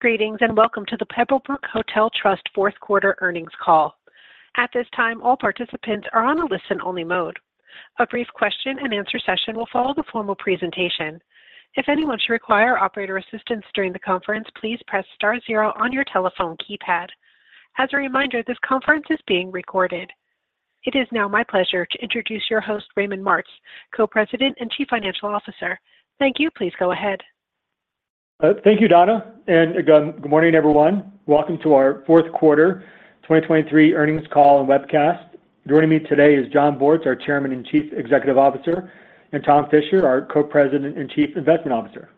Greetings, and welcome to the Pebblebrook Hotel Trust fourth quarter earnings call. At this time, all participants are on a listen-only mode. A brief question-and-answer session will follow the formal presentation. If anyone should require operator assistance during the conference, please press star zero on your telephone keypad. As a reminder, this conference is being recorded. It is now my pleasure to introduce your host, Raymond Martz, Co-President and Chief Financial Officer. Thank you. Please go ahead. Thank you, Donna, and good morning, everyone. Welcome to our fourth quarter 2023 earnings call and webcast. Joining me today is Jon Bortz, our Chairman and Chief Executive Officer, and Tom Fisher, our Co-President and Chief Investment Officer.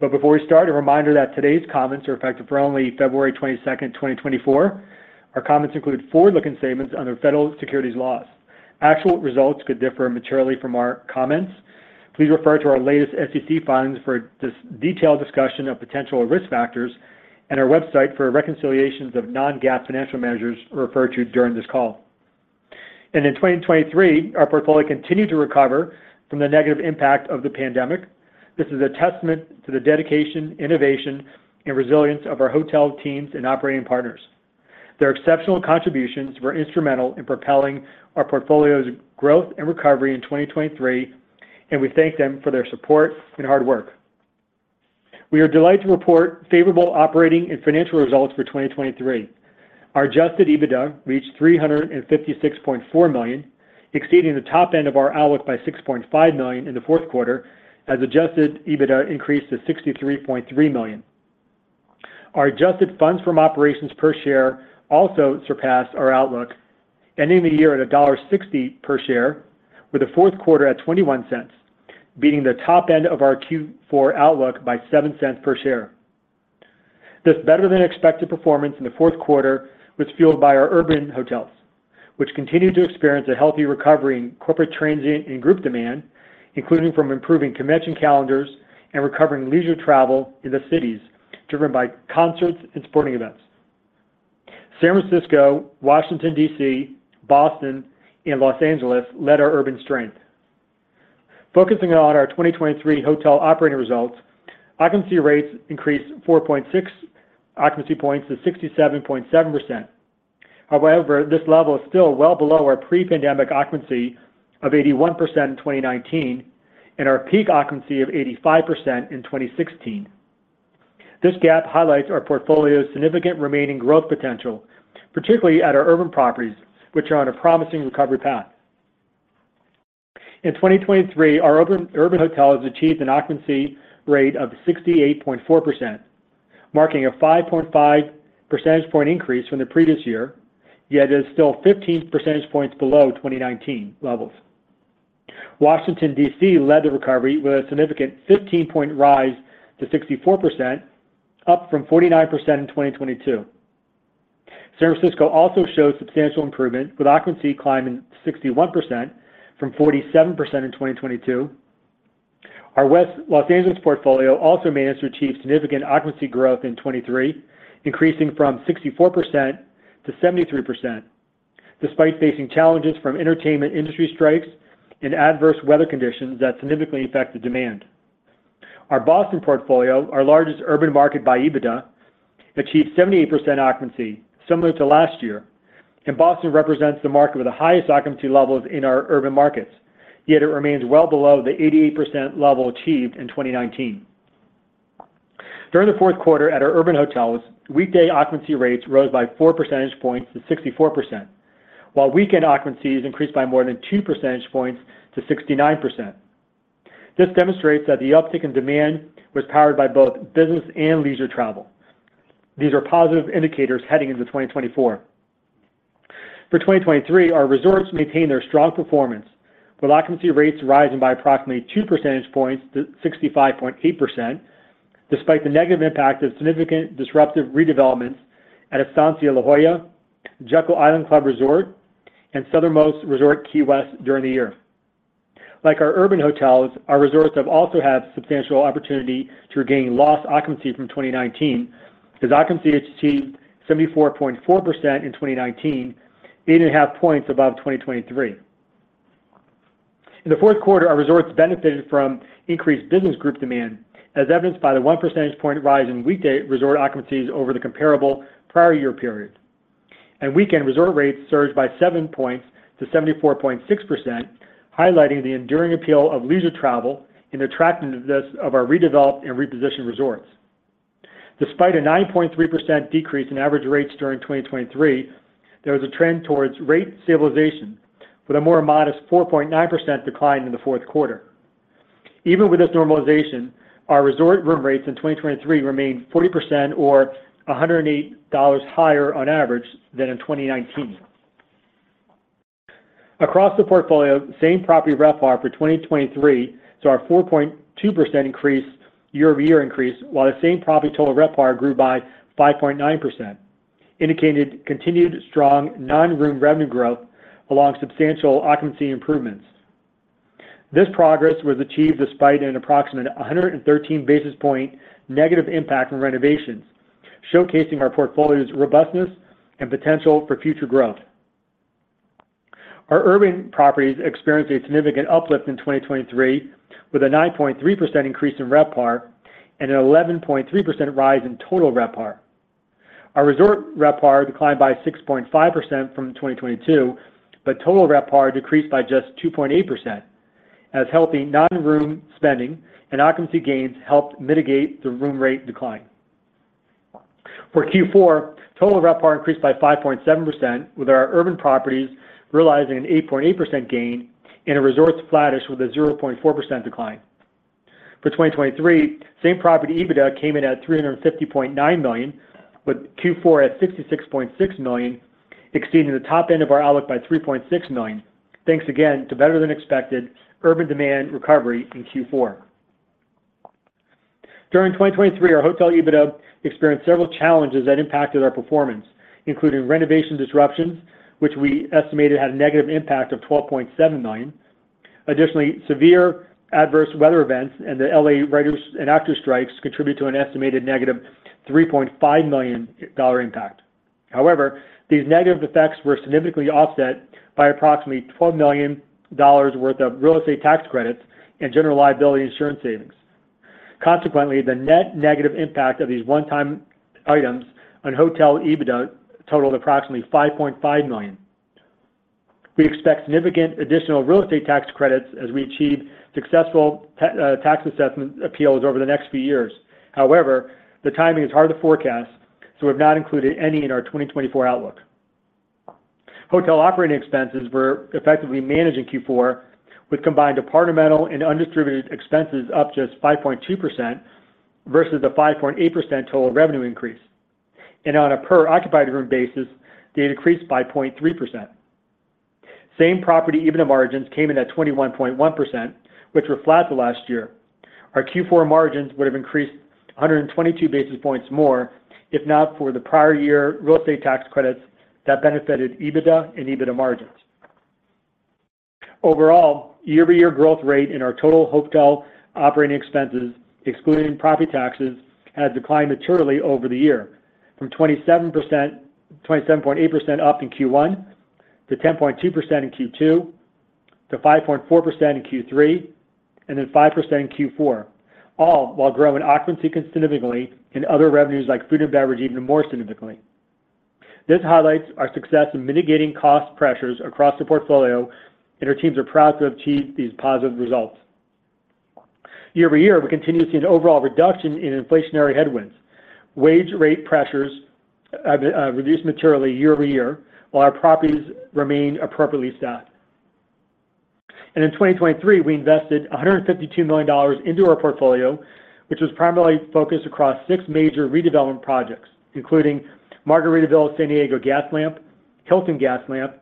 But before we start, a reminder that today's comments are effective for only February 22, 2024. Our comments include forward-looking statements under federal securities laws. Actual results could differ materially from our comments. Please refer to our latest SEC filings for this detailed discussion of potential risk factors and our website for reconciliations of non-GAAP financial measures referred to during this call. In 2023, our portfolio continued to recover from the negative impact of the pandemic. This is a testament to the dedication, innovation, and resilience of our hotel teams and operating partners. Their exceptional contributions were instrumental in propelling our portfolio's growth and recovery in 2023, and we thank them for their support and hard work. We are delighted to report favorable operating and financial results for 2023. Our Adjusted EBITDA reached $356.4 million, exceeding the top end of our outlook by $6.5 million in the fourth quarter as Adjusted EBITDA increased to $63.3 million. Our Adjusted Funds From Operations per share also surpassed our outlook, ending the year at $1.60 per share, with a fourth quarter at $0.21, beating the top end of our Q4 outlook by $0.07 per share. This better-than-expected performance in the fourth quarter was fueled by our urban hotels, which continued to experience a healthy recovery in corporate transient and group demand, including from improving convention calendars and recovering leisure travel in the cities, driven by concerts and sporting events. San Francisco, Washington, D.C., Boston, and Los Angeles led our urban strength. Focusing on our 2023 hotel operating results, occupancy rates increased 4.6 occupancy points to 67.7%. However, this level is still well below our pre-pandemic occupancy of 81% in 2019 and our peak occupancy of 85% in 2016. This gap highlights our portfolio's significant remaining growth potential, particularly at our urban properties, which are on a promising recovery path. In 2023, our urban hotels achieved an occupancy rate of 68.4%, marking a 5.5 percentage point increase from the previous year, yet it is still 15 percentage points below 2019 levels. Washington, D.C., led the recovery with a significant 15-point rise to 64%, up from 49% in 2022. San Francisco also showed substantial improvement, with occupancy climbing 61% from 47% in 2022. Our West Los Angeles portfolio also managed to achieve significant occupancy growth in 2023, increasing from 64% to 73%, despite facing challenges from entertainment industry strikes and adverse weather conditions that significantly affected demand. Our Boston portfolio, our largest urban market by EBITDA, achieved 78% occupancy, similar to last year, and Boston represents the market with the highest occupancy levels in our urban markets, yet it remains well below the 88% level achieved in 2019. During the fourth quarter at our urban hotels, weekday occupancy rates rose by four percentage points to 64%, while weekend occupancies increased by more than two percentage points to 69%. This demonstrates that the uptick in demand was powered by both business and leisure travel. These are positive indicators heading into 2024. For 2023, our resorts maintained their strong performance, with occupancy rates rising by approximately two percentage points to 65.8%, despite the negative impact of significant disruptive redevelopments at Estancia La Jolla, Jekyll Island Club Resort, and Southernmost Beach Resort, Key West during the year. Like our urban hotels, our resorts have also had substantial opportunity to regain lost occupancy from 2019, as occupancy achieved 74.4% in 2019, 8.5 points above 2023. In the fourth quarter, our resorts benefited from increased business group demand, as evidenced by the one percentage point rise in weekday resort occupancies over the comparable prior year period. Weekend resort rates surged by 7.0% to 74.6%, highlighting the enduring appeal of leisure travel and attractiveness of our redeveloped and repositioned resorts. Despite a 9.3% decrease in average rates during 2023, there was a trend towards rate stabilization, with a more modest 4.9% decline in the fourth quarter. Even with this normalization, our resort room rates in 2023 remained 40% or $108 higher on average than in 2019. Across the portfolio, same-property RevPAR for 2023 saw a 4.2% year-over-year increase, while same-property total RevPAR grew by 5.9%, indicating continued strong non-room revenue growth along substantial occupancy improvements. This progress was achieved despite an approximate 113 basis point negative impact from renovations, showcasing our portfolio's robustness and potential for future growth. Our urban properties experienced a significant uplift in 2023, with a 9.3% increase in RevPAR and an 11.3% rise in total RevPAR. Our resort RevPAR declined by 6.5% from 2022, but total RevPAR decreased by just 2.8%, as healthy non-room spending and occupancy gains helped mitigate the room rate decline. For Q4, total RevPAR increased by 5.7%, with our urban properties realizing an 8.8% gain, and our resorts flattish with a 0.4% decline. For 2023, same-property EBITDA came in at $350.9 million, with Q4 at $66.6 million, exceeding the top end of our outlook by $3.6 million, thanks again to better-than-expected urban demand recovery in Q4. During 2023, our hotel EBITDA experienced several challenges that impacted our performance, including renovation disruptions, which we estimated had a negative impact of $12.7 million. Additionally, severe adverse weather events and the L.A. writers and actors strikes contribute to an estimated negative $3.5 million impact. However, these negative effects were significantly offset by approximately $12 million worth of real estate tax credits and general liability insurance savings. Consequently, the net negative impact of these one-time items on hotel EBITDA totaled approximately $5.5 million. We expect significant additional real estate tax credits as we achieve successful tax assessment appeals over the next few years. However, the timing is hard to forecast, so we've not included any in our 2024 outlook. Hotel operating expenses were effectively managed in Q4, with combined departmental and undistributed expenses up just 5.2% versus a 5.8% total revenue increase. And on a per occupied room basis, they decreased by 0.3%. Same-property EBITDA margins came in at 21.1%, which were flat to last year. Our Q4 margins would have increased 122 basis points more, if not for the prior year real estate tax credits that benefited EBITDA and EBITDA margins. Overall, year-over-year growth rate in our total hotel operating expenses, excluding property taxes, has declined materially over the year, from 27.8% up in Q1, to 10.2% in Q2, to 5.4% in Q3, and then 5% in Q4, all while growing occupancy significantly and other revenues like food and beverage even more significantly. This highlights our success in mitigating cost pressures across the portfolio, and our teams are proud to have achieved these positive results. Year-over-year, we continue to see an overall reduction in inflationary headwinds. Wage rate pressures reduced materially year-over-year, while our properties remain appropriately staffed. In 2023, we invested $152 million into our portfolio, which was primarily focused across six major redevelopment projects, including Margaritaville San Diego Gaslamp, Hilton Gaslamp,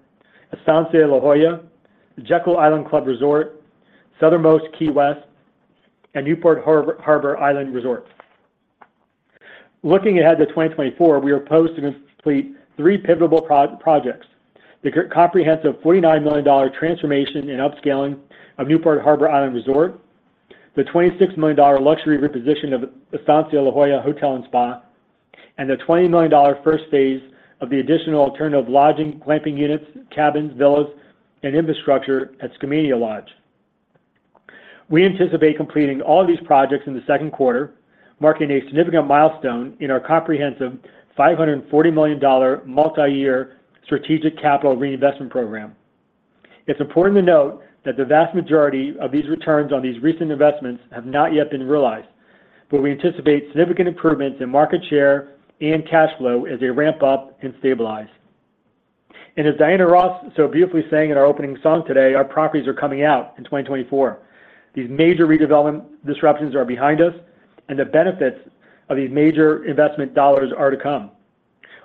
Estancia La Jolla, Jekyll Island Club Resort, Southernmost Key West, and Newport Harbor Island Resort. Looking ahead to 2024, we are poised to complete three pivotal projects: the comprehensive $49 million transformation and upscaling of Newport Harbor Island Resort, the $26 million luxury reposition of Estancia La Jolla Hotel and Spa, and the $20 million first phase of the additional alternative lodging, glamping units, cabins, villas, and infrastructure at Skamania Lodge. We anticipate completing all of these projects in the second quarter, marking a significant milestone in our comprehensive $540 million multi-year strategic capital reinvestment program. It's important to note that the vast majority of these returns on these recent investments have not yet been realized, but we anticipate significant improvements in market share and cash flow as they ramp up and stabilize. And as Diana Ross so beautifully sang in our opening song today, our properties are coming out in 2024. These major redevelopment disruptions are behind us, and the benefits of these major investment dollars are to come.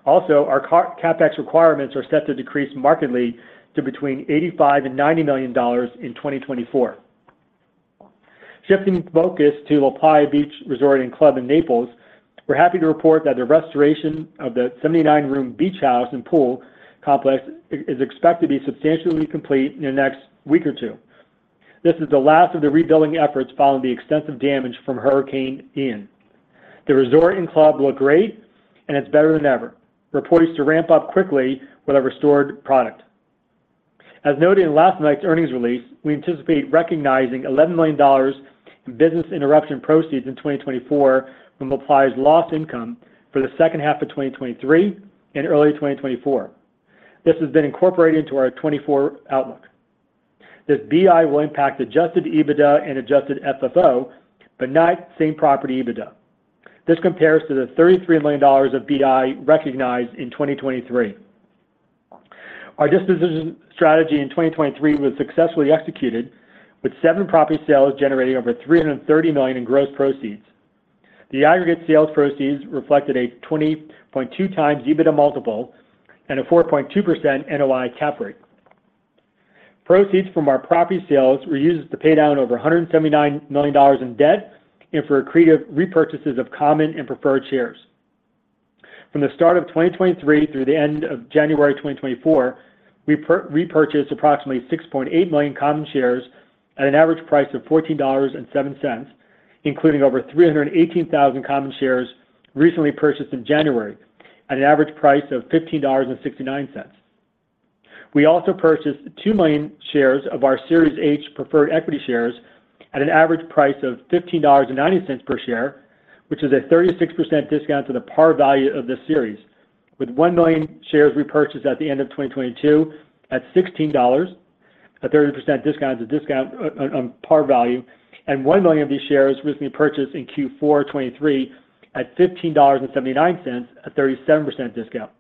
Also, our CapEx requirements are set to decrease markedly to between $85 million and $90 million in 2024. Shifting focus to LaPlaya Beach Resort and Club in Naples, we're happy to report that the restoration of the 79-room beach house and pool complex is expected to be substantially complete in the next week or two. This is the last of the rebuilding efforts following the extensive damage from Hurricane Ian. The resort and club look great, and it's better than ever. Revs to ramp up quickly with a restored product. As noted in last night's earnings release, we anticipate recognizing $11 million in business interruption proceeds in 2024 from LaPlaya's lost income for the second half of 2023 and early 2024. This has been incorporated into our 2024 outlook. This BI will impact Adjusted EBITDA and Adjusted FFO, but not same-property EBITDA. This compares to the $33 million of BI recognized in 2023. Our disposition strategy in 2023 was successfully executed, with seven property sales generating over $330 million in gross proceeds. The aggregate sales proceeds reflected a 20.2x EBITDA multiple and a 4.2% NOI cap rate. Proceeds from our property sales were used to pay down over $179 million in debt and for accretive repurchases of common and preferred shares. From the start of 2023 through the end of January 2024, we repurchased approximately 6.8 million common shares at an average price of $14.07, including over 318,000 common shares recently purchased in January, at an average price of $15.69. We also purchased 2 million shares of our Series H preferred equity shares at an average price of $15.90 per share, which is a 36% discount to the par value of this series, with 1 million shares repurchased at the end of 2022 at $16, a 30% discount to par value, and 1 million of these shares recently purchased in Q4 2023 at $15.79, a 37% discount.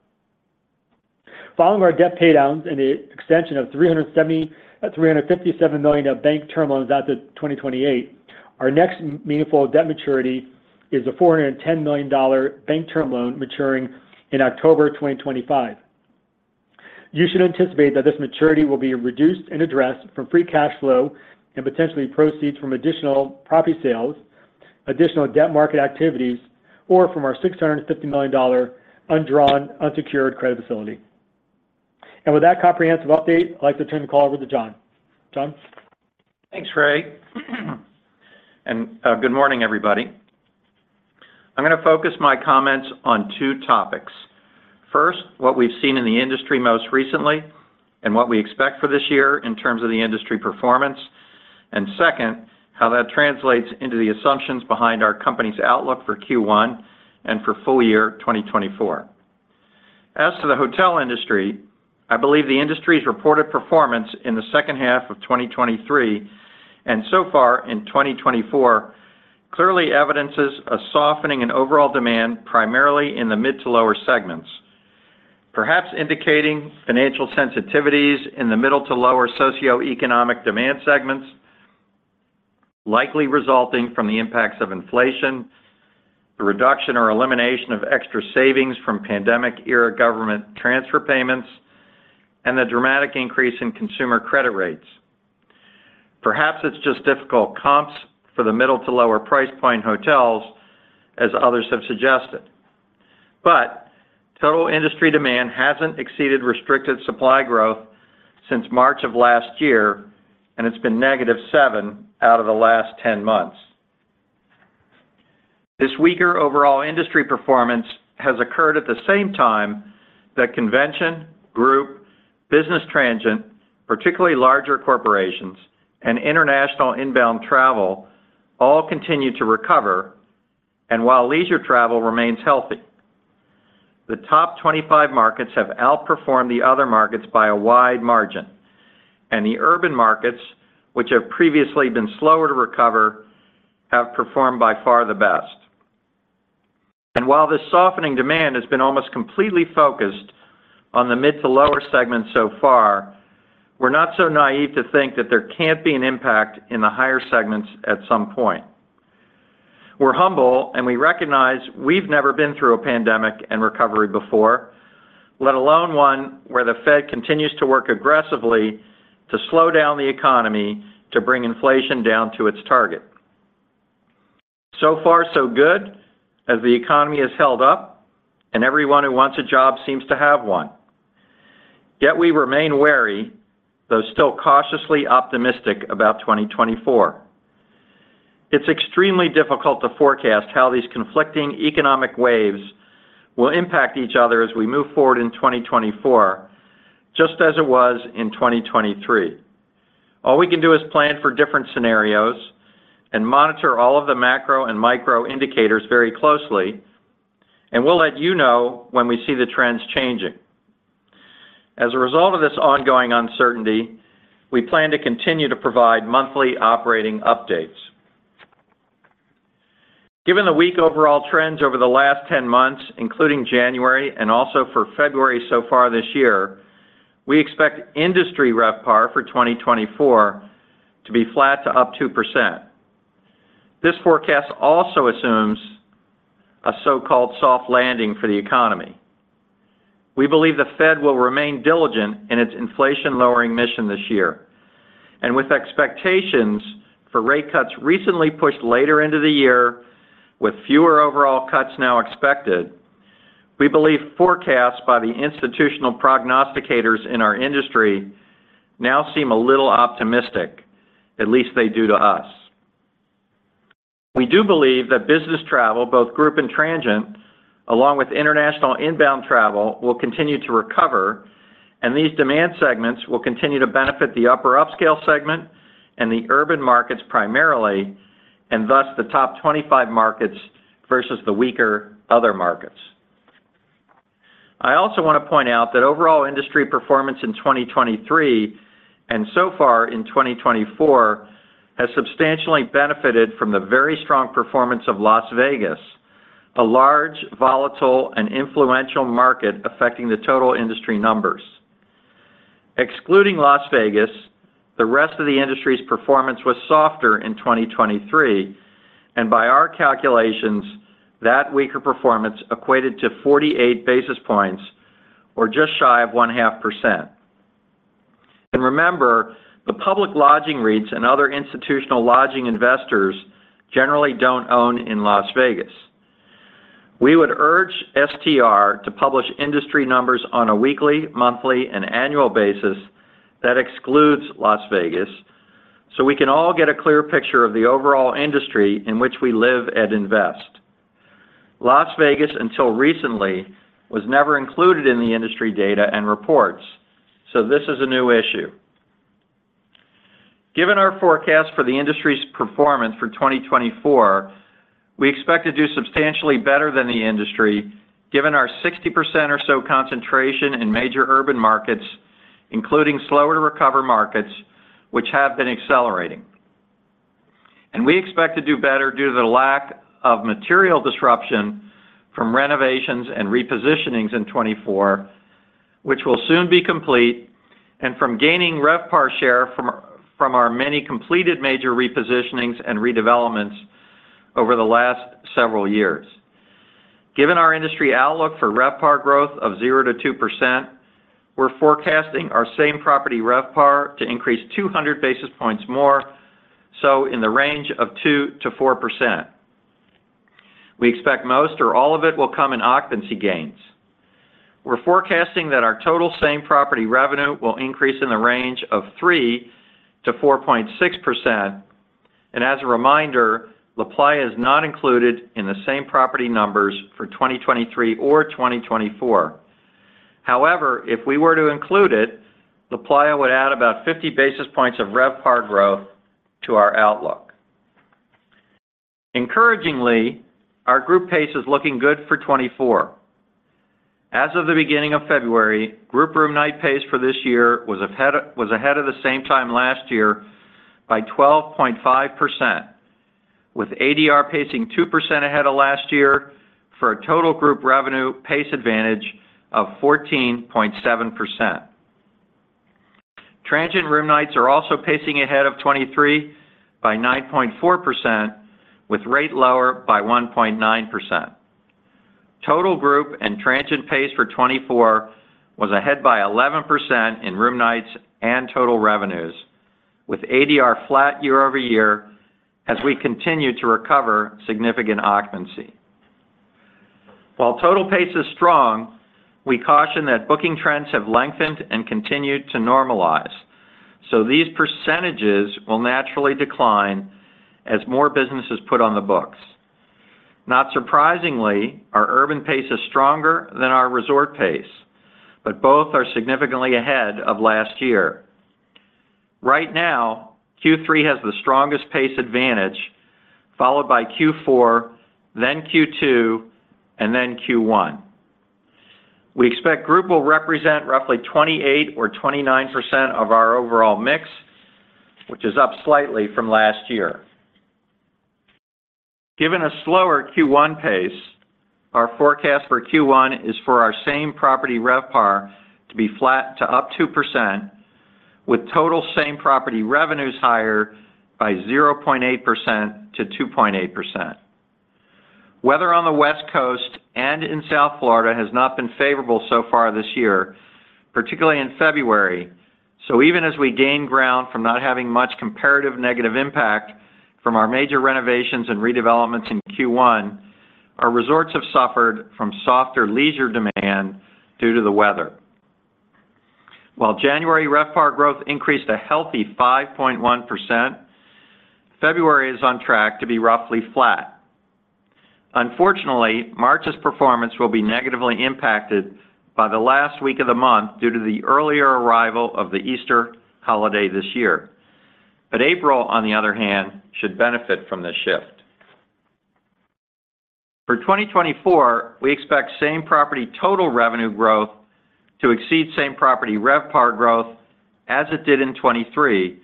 Following our debt paydowns and the extension of $357 million of bank term loans out to 2028, our next meaningful debt maturity is a $410 million bank term loan maturing in October 2025. You should anticipate that this maturity will be reduced and addressed from free cash flow and potentially proceeds from additional property sales, additional debt market activities, or from our $650 million undrawn, unsecured credit facility. With that comprehensive update, I'd like to turn the call over to Jon. Jon? Thanks, Ray, and good morning, everybody. I'm gonna focus my comments on two topics. First, what we've seen in the industry most recently and what we expect for this year in terms of the industry performance, and second, how that translates into the assumptions behind our company's outlook for Q1 and for full year 2024. As to the hotel industry, I believe the industry's reported performance in the second half of 2023, and so far in 2024, clearly evidences a softening in overall demand, primarily in the mid to lower segments. Perhaps indicating financial sensitivities in the middle to lower socioeconomic demand segments, likely resulting from the impacts of inflation, the reduction or elimination of extra savings from pandemic-era government transfer payments, and the dramatic increase in consumer credit rates. Perhaps it's just difficult comps for the middle to lower price point hotels, as others have suggested. But total industry demand hasn't exceeded restricted supply growth since March of last year, and it's been negative seven out of the last 10 months. This weaker overall industry performance has occurred at the same time that convention, group, business transient, particularly larger corporations, and international inbound travel, all continue to recover, and while leisure travel remains healthy. The top 25 markets have outperformed the other markets by a wide margin, and the urban markets, which have previously been slower to recover, have performed by far the best. While this softening demand has been almost completely focused on the mid to lower segments so far, we're not so naive to think that there can't be an impact in the higher segments at some point. We're humble, and we recognize we've never been through a pandemic and recovery before, let alone one where the Fed continues to work aggressively to slow down the economy to bring inflation down to its target. So far, so good, as the economy has held up, and everyone who wants a job seems to have one. Yet we remain wary, though still cautiously optimistic about 2024. It's extremely difficult to forecast how these conflicting economic waves will impact each other as we move forward in 2024, just as it was in 2023. All we can do is plan for different scenarios and monitor all of the macro and micro indicators very closely, and we'll let you know when we see the trends changing. As a result of this ongoing uncertainty, we plan to continue to provide monthly operating updates. Given the weak overall trends over the last 10 months, including January and also for February so far this year, we expect industry RevPAR for 2024 to be flat to up 2%. This forecast also assumes a so-called soft landing for the economy. We believe the Fed will remain diligent in its inflation-lowering mission this year, and with expectations for rate cuts recently pushed later into the year, with fewer overall cuts now expected, we believe forecasts by the institutional prognosticators in our industry now seem a little optimistic, at least they do to us. We do believe that business travel, both group and transient, along with international inbound travel, will continue to recover, and these demand segments will continue to benefit the upper upscale segment and the urban markets primarily, and thus the top 25 markets versus the weaker other markets. I also want to point out that overall industry performance in 2023, and so far in 2024, has substantially benefited from the very strong performance of Las Vegas, a large, volatile, and influential market affecting the total industry numbers. Excluding Las Vegas, the rest of the industry's performance was softer in 2023, and by our calculations, that weaker performance equated to 48 basis points or just shy of 0.5%. And remember, the public lodging REITs and other institutional lodging investors generally don't own in Las Vegas. We would urge STR to publish industry numbers on a weekly, monthly, and annual basis that excludes Las Vegas, so we can all get a clear picture of the overall industry in which we live and invest. Las Vegas, until recently, was never included in the industry data and reports, so this is a new issue. Given our forecast for the industry's performance for 2024, we expect to do substantially better than the industry, given our 60% or so concentration in major urban markets, including slower-to-recover markets, which have been accelerating. We expect to do better due to the lack of material disruption from renovations and repositionings in 2024, which will soon be complete, and from gaining RevPAR share from our many completed major repositionings and redevelopments over the last several years. Given our industry outlook for RevPAR growth of 0%-2%, we're forecasting our same-property RevPAR to increase 200 basis points more, so in the range of 2%-4%. We expect most or all of it will come in occupancy gains. We're forecasting that our total same-property revenue will increase in the range of 3%-4.6%, and as a reminder, LaPlaya is not included in the same property numbers for 2023 or 2024. However, if we were to include it, LaPlaya would add about 50 basis points of RevPAR growth to our outlook. Encouragingly, our group pace is looking good for 2024. As of the beginning of February, group room night pace for this year was ahead of the same time last year by 12.5%, with ADR pacing 2% ahead of last year for a total group revenue pace advantage of 14.7%. Transient room nights are also pacing ahead of 2023 by 9.4%, with rate lower by 1.9%. Total group and transient pace for 2024 was ahead by 11% in room nights and total revenues, with ADR flat year-over-year as we continue to recover significant occupancy. While total pace is strong, we caution that booking trends have lengthened and continued to normalize, so these percentages will naturally decline as more business is put on the books. Not surprisingly, our urban pace is stronger than our resort pace, but both are significantly ahead of last year. Right now, Q3 has the strongest pace advantage, followed by Q4, then Q2, and then Q1. We expect group will represent roughly 28% or 29% of our overall mix, which is up slightly from last year. Given a slower Q1 pace, our forecast for Q1 is for our same-property RevPAR to be flat to up 2%, with total same-property revenues higher by 0.8%-2.8%. Weather on the West Coast and in South Florida has not been favorable so far this year, particularly in February. So even as we gain ground from not having much comparative negative impact from our major renovations and redevelopments in Q1, our resorts have suffered from softer leisure demand due to the weather. While January RevPAR growth increased a healthy 5.1%, February is on track to be roughly flat. Unfortunately, March's performance will be negatively impacted by the last week of the month due to the earlier arrival of the Easter holiday this year. But April, on the other hand, should benefit from this shift. For 2024, we expect same-property total revenue growth to exceed same-property RevPAR growth as it did in 2023,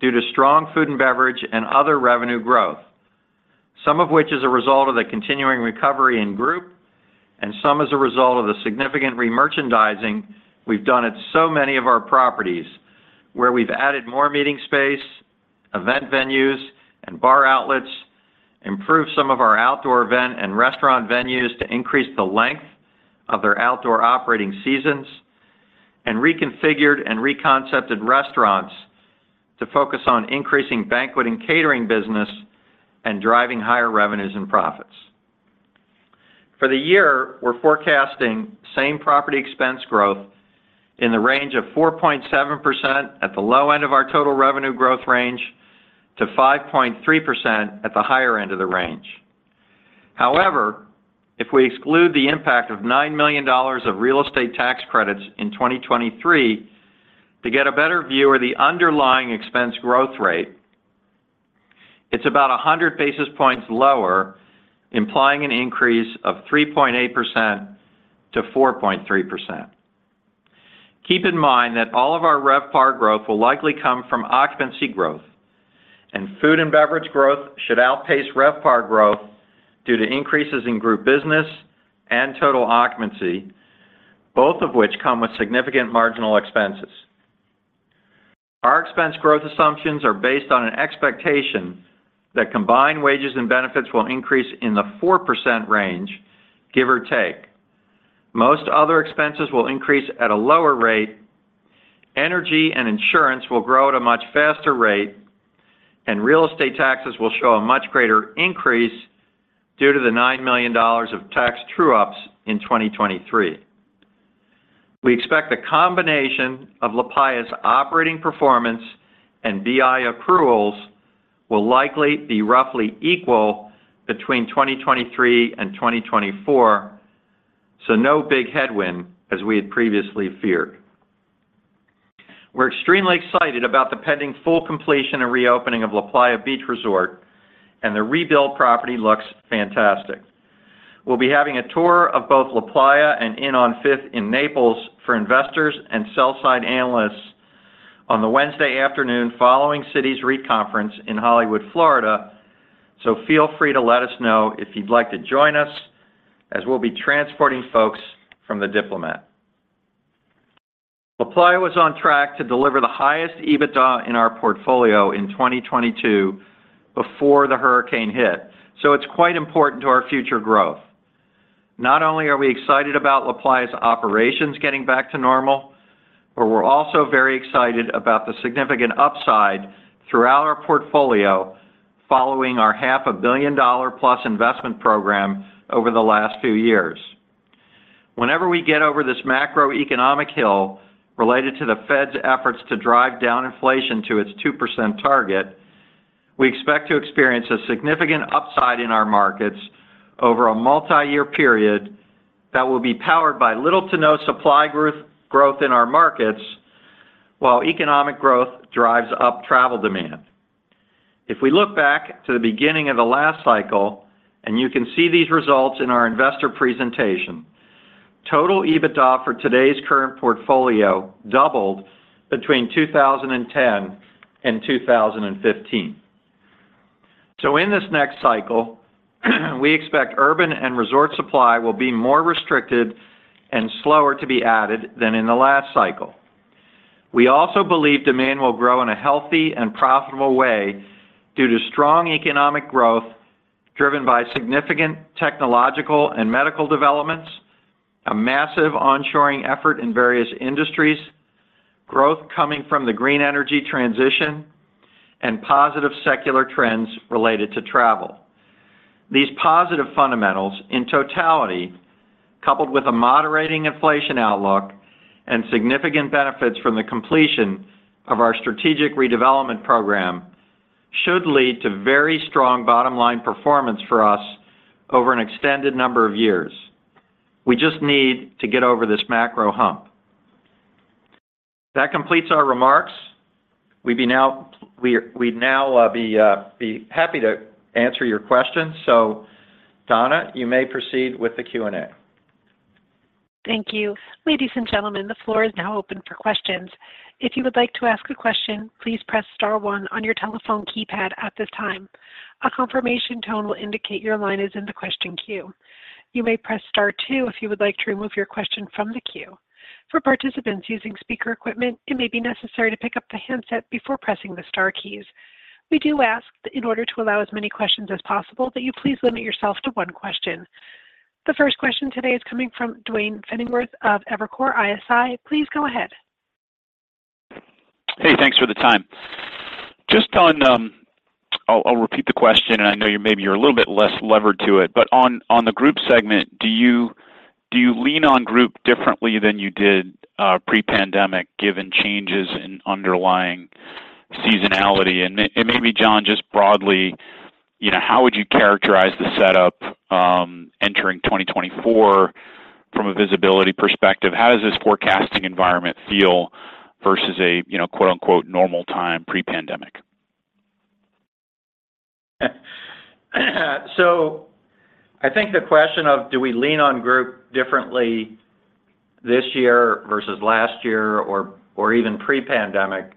due to strong food and beverage and other revenue growth, some of which is a result of the continuing recovery in group, and some as a result of the significant remerchandising we've done at so many of our properties, where we've added more meeting space, event venues, and bar outlets, improved some of our outdoor event and restaurant venues to increase the length of their outdoor operating seasons, and reconfigured and re-concepted restaurants to focus on increasing banquet and catering business and driving higher revenues and profits. For the year, we're forecasting same-property expense growth in the range of 4.7% at the low end of our total revenue growth range to 5.3% at the higher end of the range. However, if we exclude the impact of $9 million of real estate tax credits in 2023 to get a better view of the underlying expense growth rate, it's about 100 basis points lower, implying an increase of 3.8%-4.3%. Keep in mind that all of our RevPAR growth will likely come from occupancy growth, and food and beverage growth should outpace RevPAR growth due to increases in group business and total occupancy, both of which come with significant marginal expenses. Our expense growth assumptions are based on an expectation that combined wages and benefits will increase in the 4% range, give or take. Most other expenses will increase at a lower rate-... Energy and insurance will grow at a much faster rate, and real estate taxes will show a much greater increase due to the $9 million of tax true-ups in 2023. We expect the combination of LaPlaya's operating performance and BI accruals will likely be roughly equal between 2023 and 2024, so no big headwind as we had previously feared. We're extremely excited about the pending full completion and reopening of LaPlaya Beach Resort, and the rebuilt property looks fantastic. We'll be having a tour of both LaPlaya and Inn on Fifth in Naples for investors and sell-side analysts on the Wednesday afternoon following Citi's REIT conference in Hollywood, Florida. So feel free to let us know if you'd like to join us, as we'll be transporting folks from the Diplomat. LaPlaya was on track to deliver the highest EBITDA in our portfolio in 2022 before the hurricane hit, so it's quite important to our future growth. Not only are we excited about La Playa's operations getting back to normal, but we're also very excited about the significant upside throughout our portfolio following our $500 million+ investment program over the last few years. Whenever we get over this macroeconomic hill related to the Fed's efforts to drive down inflation to its 2% target, we expect to experience a significant upside in our markets over a multiyear period that will be powered by little to no supply growth, growth in our markets, while economic growth drives up travel demand. If we look back to the beginning of the last cycle, and you can see these results in our investor presentation, total EBITDA for today's current portfolio doubled between 2010 and 2015. So in this next cycle, we expect urban and resort supply will be more restricted and slower to be added than in the last cycle. We also believe demand will grow in a healthy and profitable way due to strong economic growth, driven by significant technological and medical developments, a massive onshoring effort in various industries, growth coming from the green energy transition, and positive secular trends related to travel. These positive fundamentals, in totality, coupled with a moderating inflation outlook and significant benefits from the completion of our strategic redevelopment program, should lead to very strong bottom line performance for us over an extended number of years. We just need to get over this macro hump. That completes our remarks. We'd now be happy to answer your questions. So, Donna, you may proceed with the Q&A. Thank you. Ladies and gentlemen, the floor is now open for questions. If you would like to ask a question, please press star one on your telephone keypad at this time. A confirmation tone will indicate your line is in the question queue. You may press star two if you would like to remove your question from the queue. For participants using speaker equipment, it may be necessary to pick up the handset before pressing the star keys. We do ask that in order to allow as many questions as possible, that you please limit yourself to one question. The first question today is coming from Duane Pfennigwerth of Evercore ISI. Please go ahead. Hey, thanks for the time. Just on, I'll repeat the question, and I know you're maybe a little bit less levered to it, but on the group segment, do you lean on group differently than you did pre-pandemic, given changes in underlying seasonality? And maybe, Jon, just broadly, you know, how would you characterize the setup entering 2024 from a visibility perspective? How does this forecasting environment feel versus, you know, quote, unquote, "normal time" pre-pandemic? So I think the question of, do we lean on group differently this year versus last year or, or even pre-pandemic,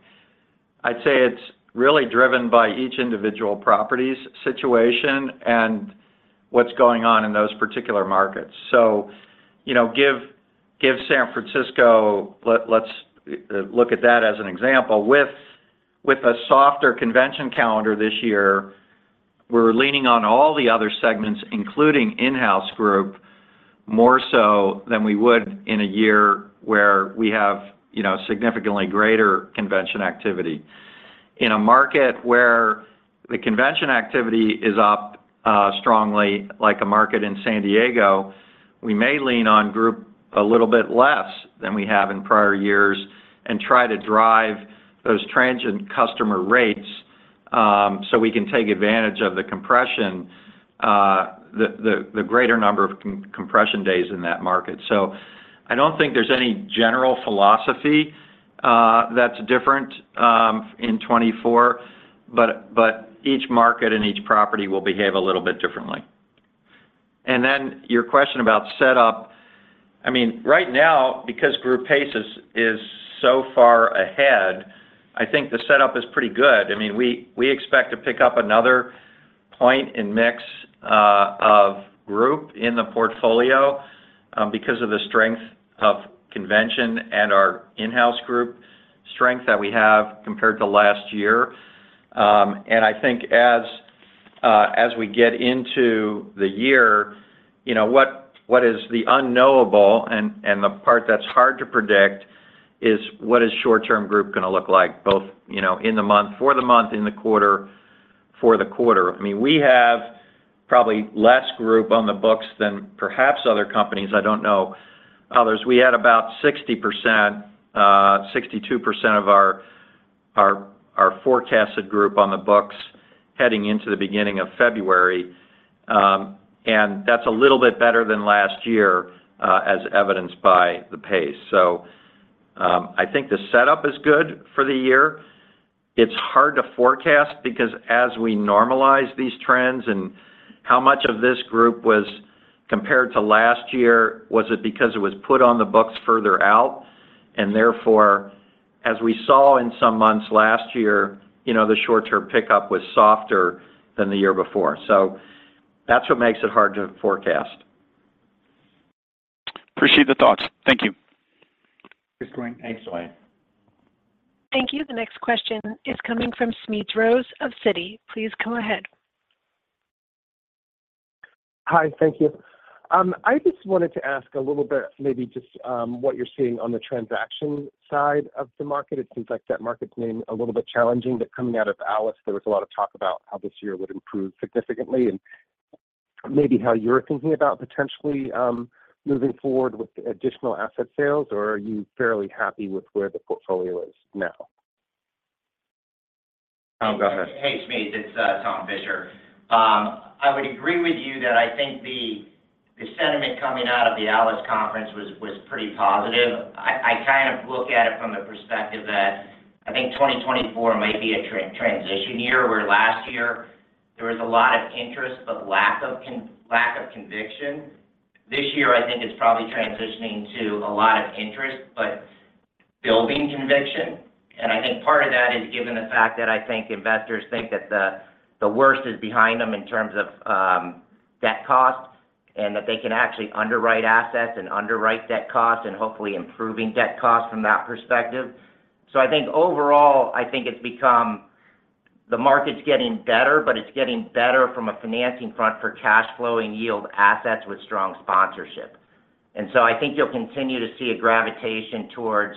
I'd say it's really driven by each individual property's situation and what's going on in those particular markets. So, you know, let's look at San Francisco as an example. With a softer convention calendar this year, we're leaning on all the other segments, including in-house group, more so than we would in a year where we have, you know, significantly greater convention activity. In a market where the convention activity is up strongly, like a market in San Diego, we may lean on group a little bit less than we have in prior years, and try to drive those transient customer rates, so we can take advantage of the compression, the greater number of compression days in that market. So I don't think there's any general philosophy that's different in 2024, but each market and each property will behave a little bit differently. And then, your question about setup, I mean, right now, because group pace is so far ahead, I think the setup is pretty good. I mean, we expect to pick up another point in mix of group in the portfolio because of the strength of convention and our in-house group strength that we have compared to last year. And I think as we get into the year, you know, what is the unknowable, and the part that's hard to predict is what is short-term group gonna look like, both, you know, in the month, for the month, in the quarter, for the quarter? I mean, we have probably less group on the books than perhaps other companies. I don't know others. We had about 60%, 62% of our forecasted group on the books heading into the beginning of February. And that's a little bit better than last year, as evidenced by the pace. So, I think the setup is good for the year. It's hard to forecast because as we normalize these trends and how much of this group was compared to last year, was it because it was put on the books further out? And therefore, as we saw in some months last year, you know, the short-term pickup was softer than the year before. So that's what makes it hard to forecast. Appreciate the thoughts. Thank you. Thanks, Duane. Thank you. The next question is coming from Smedes Rose of Citi. Please go ahead. Hi, thank you. I just wanted to ask a little bit, maybe just, what you're seeing on the transaction side of the market. It seems like that market's been a little bit challenging, but coming out of ALIS, there was a lot of talk about how this year would improve significantly, and maybe how you're thinking about potentially, moving forward with additional asset sales, or are you fairly happy with where the portfolio is now? Go ahead. Hey, Smedes, it's Tom Fisher. I would agree with you that I think the sentiment coming out of the ALIS conference was pretty positive. I kind of look at it from the perspective that I think 2024 might be a transition year, where last year there was a lot of interest, but lack of conviction. This year, I think, it's probably transitioning to a lot of interest, but building conviction. And I think part of that is given the fact that I think investors think that the worst is behind them in terms of debt costs, and that they can actually underwrite assets and underwrite debt costs, and hopefully improving debt costs from that perspective. So I think overall, I think it's become the market's getting better, but it's getting better from a financing front for cash flow and yield assets with strong sponsorship. And so I think you'll continue to see a gravitation towards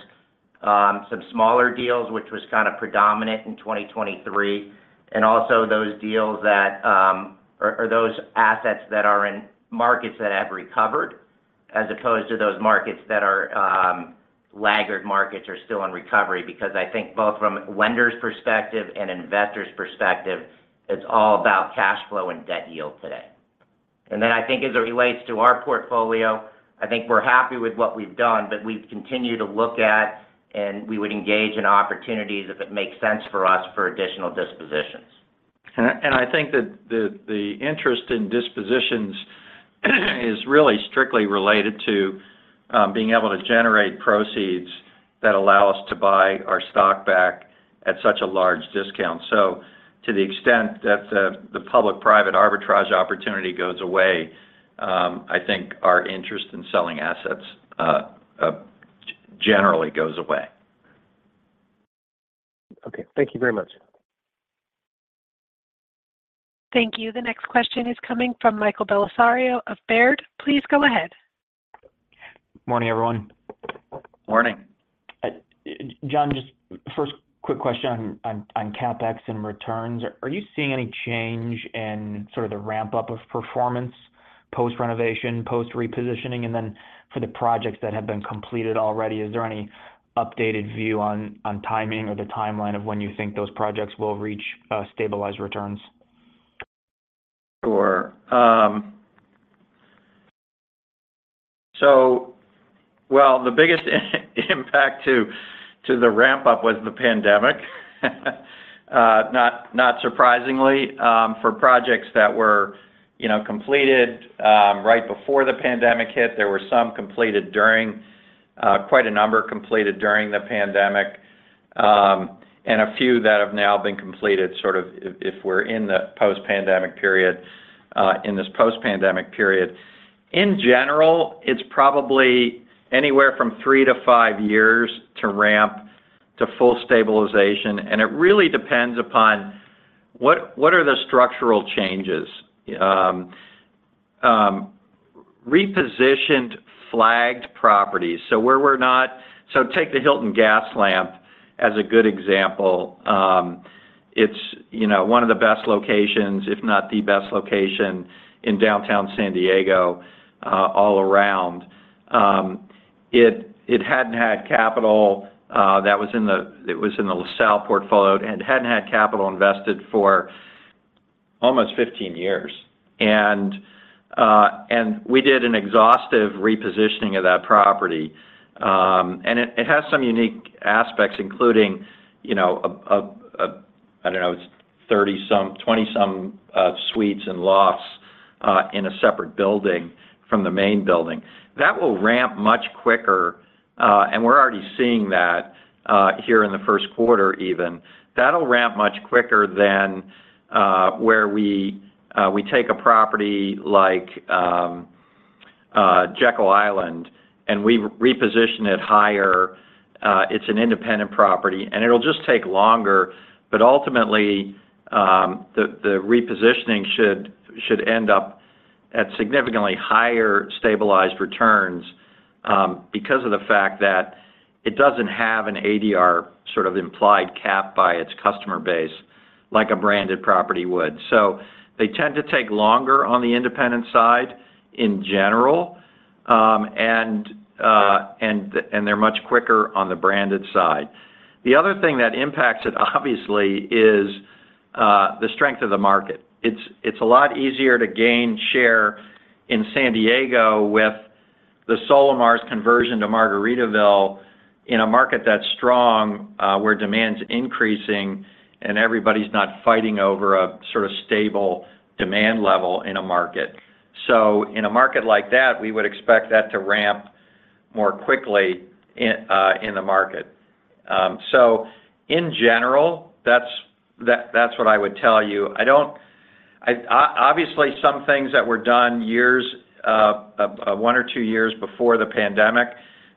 some smaller deals, which was kind of predominant in 2023, and also those deals that, or, or those assets that are in markets that have recovered, as opposed to those markets that are laggard markets are still in recovery. Because I think both from a lender's perspective and investor's perspective, it's all about cash flow and debt yield today. And then, I think, as it relates to our portfolio, I think we're happy with what we've done, but we've continued to look at, and we would engage in opportunities if it makes sense for us for additional dispositions. And I think that the interest in dispositions is really strictly related to being able to generate proceeds that allow us to buy our stock back at such a large discount. So to the extent that the public-private arbitrage opportunity goes away, I think our interest in selling assets generally goes away. Okay. Thank you very much. Thank you. The next question is coming from Michael Bellisario of Baird. Please go ahead. Morning, everyone. Morning. Jon, just first quick question on CapEx and returns. Are you seeing any change in sort of the ramp-up of performance, post-renovation, post-repositioning? And then for the projects that have been completed already, is there any updated view on timing or the timeline of when you think those projects will reach stabilized returns? Sure. So, well, the biggest impact to the ramp-up was the pandemic. Not, not surprisingly, for projects that were, you know, completed, right before the pandemic hit, there were some completed during, quite a number completed during the pandemic, and a few that have now been completed, sort of, if, if we're in the post-pandemic period, in this post-pandemic period. In general, it's probably anywhere from 3-5 years to ramp to full stabilization, and it really depends upon what, what are the structural changes? Repositioned flagged properties, so where we're not-- So take the Hilton Gaslamp as a good example. It's, you know, one of the best locations, if not the best location in downtown San Diego, all around. It hadn't had capital that was in the LaSalle portfolio, and hadn't had capital invested for almost 15 years. And we did an exhaustive repositioning of that property. It has some unique aspects, including, you know, a, a, a, I don't know, it's 30-some, 20-some suites and lofts in a separate building from the main building. That will ramp much quicker, and we're already seeing that here in the first quarter even. That'll ramp much quicker than where we take a property like Jekyll Island, and we reposition it higher. It's an independent property, and it'll just take longer. But ultimately, the repositioning should end up at significantly higher stabilized returns, because of the fact that it doesn't have an ADR sort of implied cap by its customer base, like a branded property would. So they tend to take longer on the independent side in general, and they're much quicker on the branded side. The other thing that impacts it, obviously, is the strength of the market. It's a lot easier to gain share in San Diego with the Solamar's conversion to Margaritaville in a market that's strong, where demand's increasing and everybody's not fighting over a sort of stable demand level in a market. So in a market like that, we would expect that to ramp more quickly in the market. So in general, that's what I would tell you. I don't, obviously, some things that were done years, one or two years before the pandemic,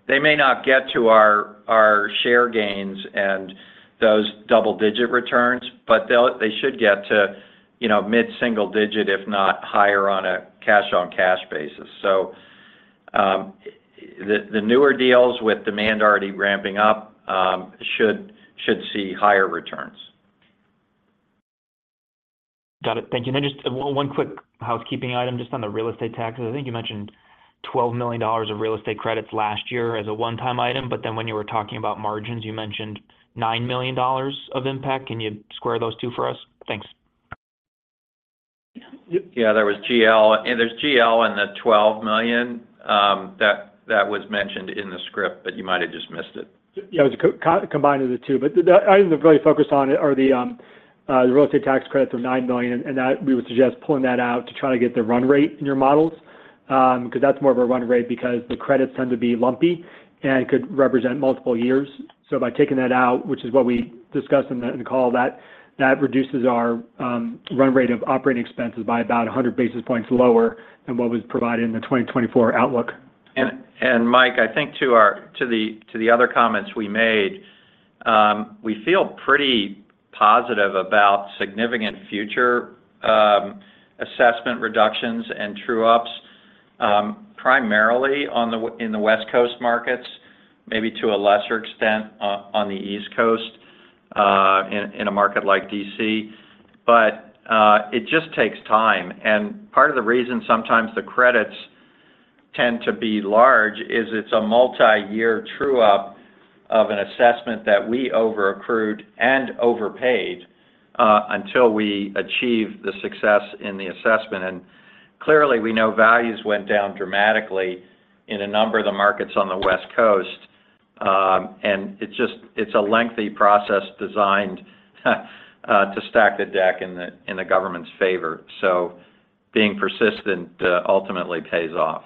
they may not get to our share gains and those double-digit returns, but they should get to, you know, mid-single digit, if not higher, on a cash-on-cash basis. So, the newer deals with demand already ramping up should see higher returns. Got it. Thank you. And then just one, one quick housekeeping item, just on the real estate taxes. I think you mentioned $12 million of real estate credits last year as a one-time item, but then when you were talking about margins, you mentioned $9 million of impact. Can you square those two for us? Thanks. Yeah, there was GL, and there's GL and the $12 million that was mentioned in the script, but you might have just missed it. Yeah, it was combined with the two. But the I am really focused on are the real estate tax credits of $9 million, and that we would suggest pulling that out to try to get the run rate in your models. Because that's more of a run rate, because the credits tend to be lumpy and could represent multiple years. So by taking that out, which is what we discussed in the call, that reduces our run rate of operating expenses by about 100 basis points lower than what was provided in the 2024 outlook. Mike, I think to the other comments we made, we feel pretty positive about significant future assessment reductions and true-ups, primarily in the West Coast markets, maybe to a lesser extent on the East Coast in a market like D.C. But it just takes time, and part of the reason sometimes the credits tend to be large is it's a multiyear true-up of an assessment that we overaccrued and overpaid until we achieved the success in the assessment. And clearly, we know values went down dramatically in a number of the markets on the West Coast, and it just... It's a lengthy process designed to stack the deck in the government's favor. So being persistent ultimately pays off.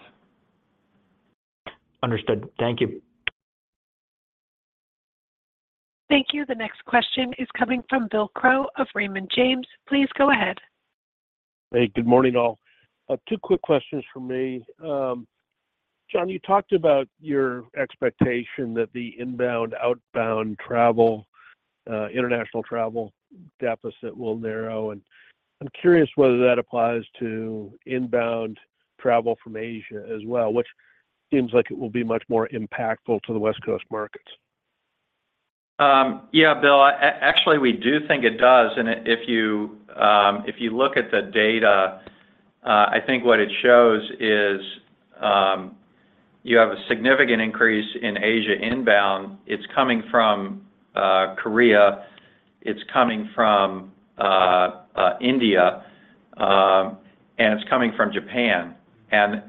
Understood. Thank you. Thank you. The next question is coming from Bill Crow of Raymond James. Please go ahead. Hey, good morning, all. Two quick questions from me. John, you talked about your expectation that the inbound, outbound travel, international travel deficit will narrow, and I'm curious whether that applies to inbound travel from Asia as well, which seems like it will be much more impactful to the West Coast markets. Yeah, Bill, actually, we do think it does, and it. If you look at the data, I think what it shows is you have a significant increase in Asia inbound. It's coming from Korea, it's coming from India, and it's coming from Japan. And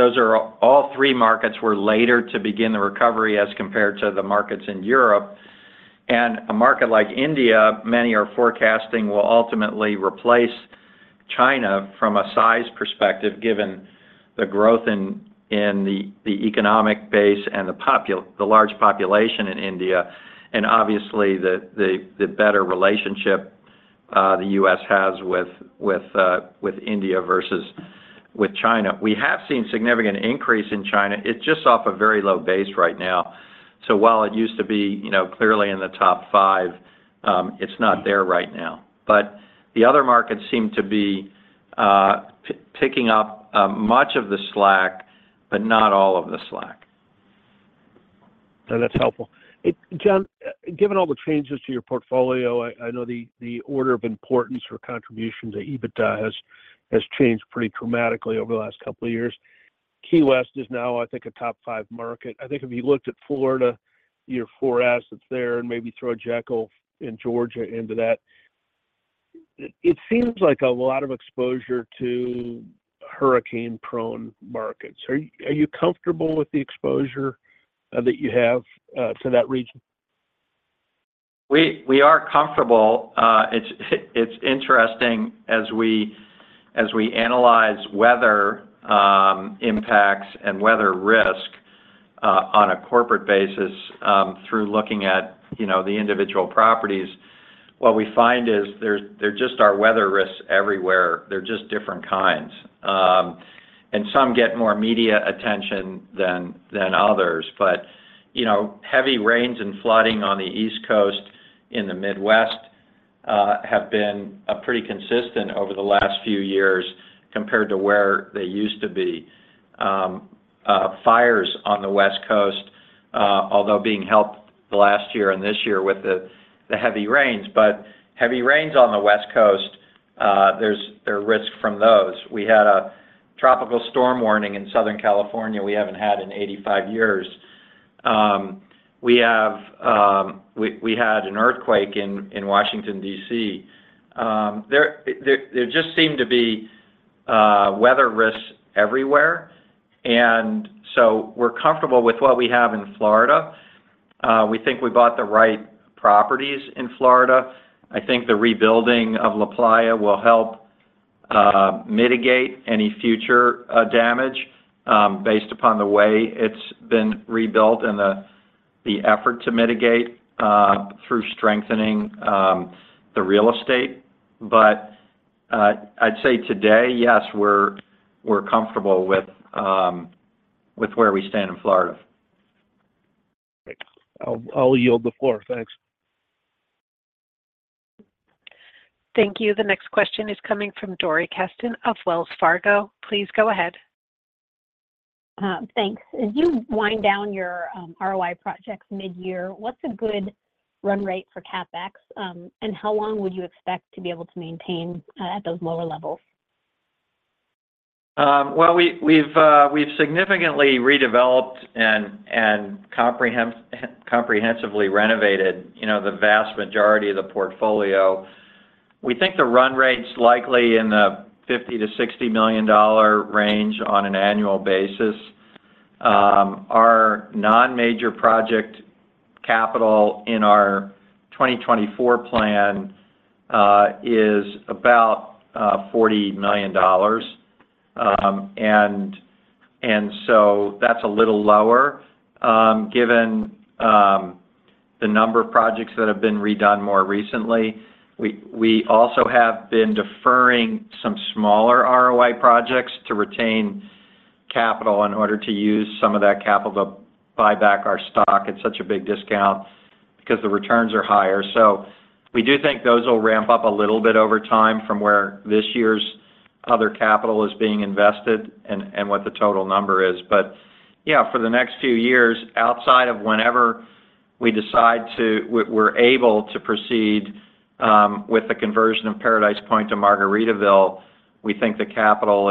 those are all three markets were later to begin the recovery as compared to the markets in Europe. And a market like India, many are forecasting, will ultimately replace China from a size perspective, given the growth in the economic base and the large population in India, and obviously, the better relationship the U.S. has with India versus with China. We have seen significant increase in China. It's just off a very low base right now. So while it used to be, you know, clearly in the top five, it's not there right now. But the other markets seem to be picking up much of the slack, but not all of the slack. No, that's helpful. John, given all the changes to your portfolio, I know the order of importance for contribution to EBITDA has changed pretty dramatically over the last couple of years. Key West is now, I think, a top five market. I think if you looked at Florida, your four assets there, and maybe throw Jekyll in Georgia into that, it seems like a lot of exposure to hurricane-prone markets. Are you comfortable with the exposure that you have to that region? We are comfortable. It's interesting as we analyze weather impacts and weather risk on a corporate basis through looking at, you know, the individual properties. What we find is there just are weather risks everywhere. They're just different kinds. And some get more media attention than others. But, you know, heavy rains and flooding on the East Coast, in the Midwest, have been pretty consistent over the last few years compared to where they used to be. Fires on the West Coast, although being helped the last year and this year with the heavy rains, but heavy rains on the West Coast, there's risk from those. We had a tropical storm warning in Southern California we haven't had in 85 years. We have, we had an earthquake in Washington, D.C. There just seemed to be weather risks everywhere, and so we're comfortable with what we have in Florida. We think we bought the right properties in Florida. I think the rebuilding of LaPlaya will help mitigate any future damage, based upon the way it's been rebuilt and the effort to mitigate through strengthening the real estate. But, I'd say today, yes, we're comfortable with where we stand in Florida. Great. I'll yield the floor. Thanks. Thank you. The next question is coming from Dori Kesten of Wells Fargo. Please go ahead. Thanks. As you wind down your ROI projects midyear, what's a good run rate for CapEx? And how long would you expect to be able to maintain at those lower levels? Well, we've significantly redeveloped and comprehensively renovated, you know, the vast majority of the portfolio. We think the run rate's likely in the $50-$60 million range on an annual basis. Our non-major project capital in our 2024 plan is about $40 million. And so that's a little lower, given the number of projects that have been redone more recently. We also have been deferring some smaller ROI projects to retain capital in order to use some of that capital to buy back our stock at such a big discount because the returns are higher. So we do think those will ramp up a little bit over time from where this year's other capital is being invested and what the total number is. But yeah, for the next few years, outside of whenever we decide to—we're able to proceed with the conversion of Paradise Point to Margaritaville, we think the capital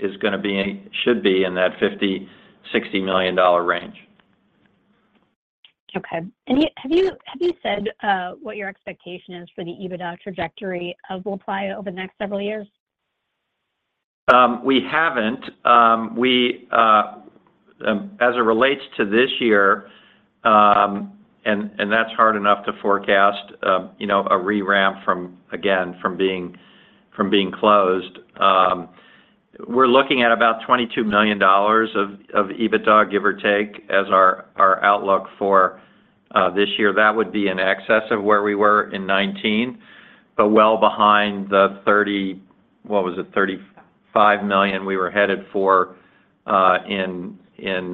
is gonna be in—should be in that $50-$60 million range. Okay. And yet, have you said what your expectation is for the EBITDA trajectory of LaPlaya over the next several years? We haven't. We, as it relates to this year, and, and that's hard enough to forecast, you know, a re-ramp from, again, from being, from being closed. We're looking at about $22 million of EBITDA, give or take, as our outlook for this year. That would be in excess of where we were in 2019, but well behind the thirty... What was it? $35 million we were headed for, in, in,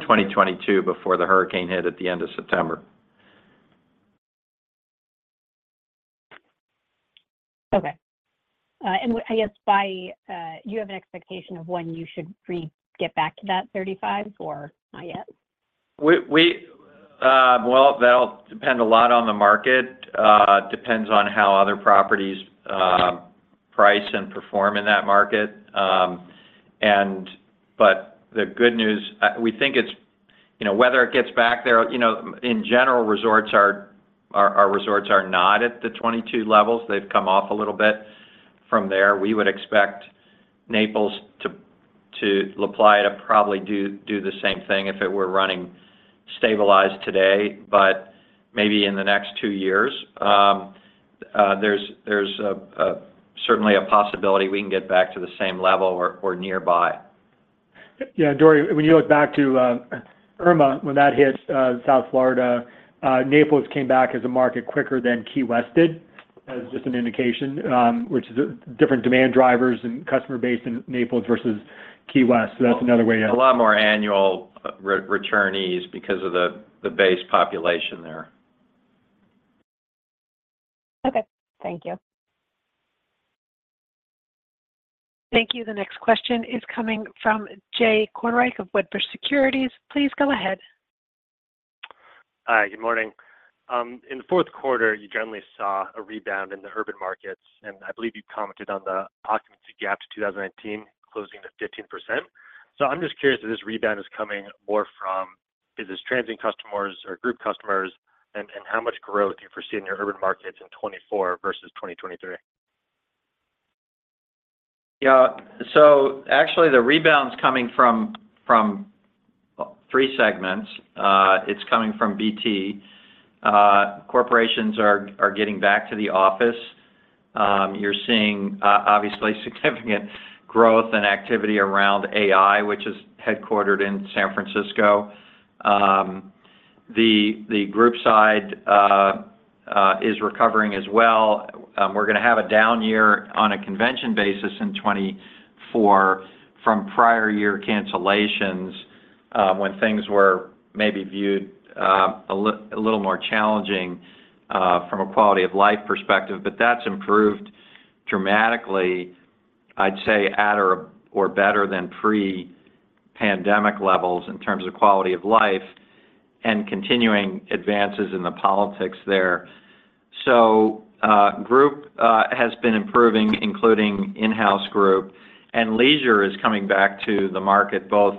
2022 before the hurricane hit at the end of September. Okay. And I guess by, you have an expectation of when you should get back to that 35 or not yet? Well, that'll depend a lot on the market. Depends on how other properties price and perform in that market. And but the good news, we think it's, you know, whether it gets back there, you know, in general, resorts are not at the '22 levels. They've come off a little bit. From there, we would expect Naples to LaPlaya to probably do the same thing if it were running stabilized today. But maybe in the next two years, certainly a possibility we can get back to the same level or nearby. Yeah, Dori, when you look back to Irma, when that hit South Florida, Naples came back as a market quicker than Key West did. As just an indication, which is a different demand drivers and customer base in Naples versus Key West. So that's another way to- A lot more annual returnees because of the base population there. Okay. Thank you. Thank you. The next question is coming from Jay Kornreich of Wedbush Securities. Please go ahead. Hi, good morning. In the fourth quarter, you generally saw a rebound in the urban markets, and I believe you commented on the occupancy gap to 2018, closing to 15%. So I'm just curious if this rebound is coming more from, is this transient customers or group customers, and how much growth do you foresee in your urban markets in 2024 versus 2023? Yeah. So actually, the rebound's coming from three segments. It's coming from BT. Corporations are getting back to the office. You're seeing obviously significant growth and activity around AI, which is headquartered in San Francisco. The group side is recovering as well. We're gonna have a down year on a convention basis in 2024 from prior year cancellations, when things were maybe viewed a little more challenging from a quality-of-life perspective. But that's improved dramatically, I'd say, at or better than pre-pandemic levels in terms of quality of life and continuing advances in the politics there. So group has been improving, including in-house group, and leisure is coming back to the market, both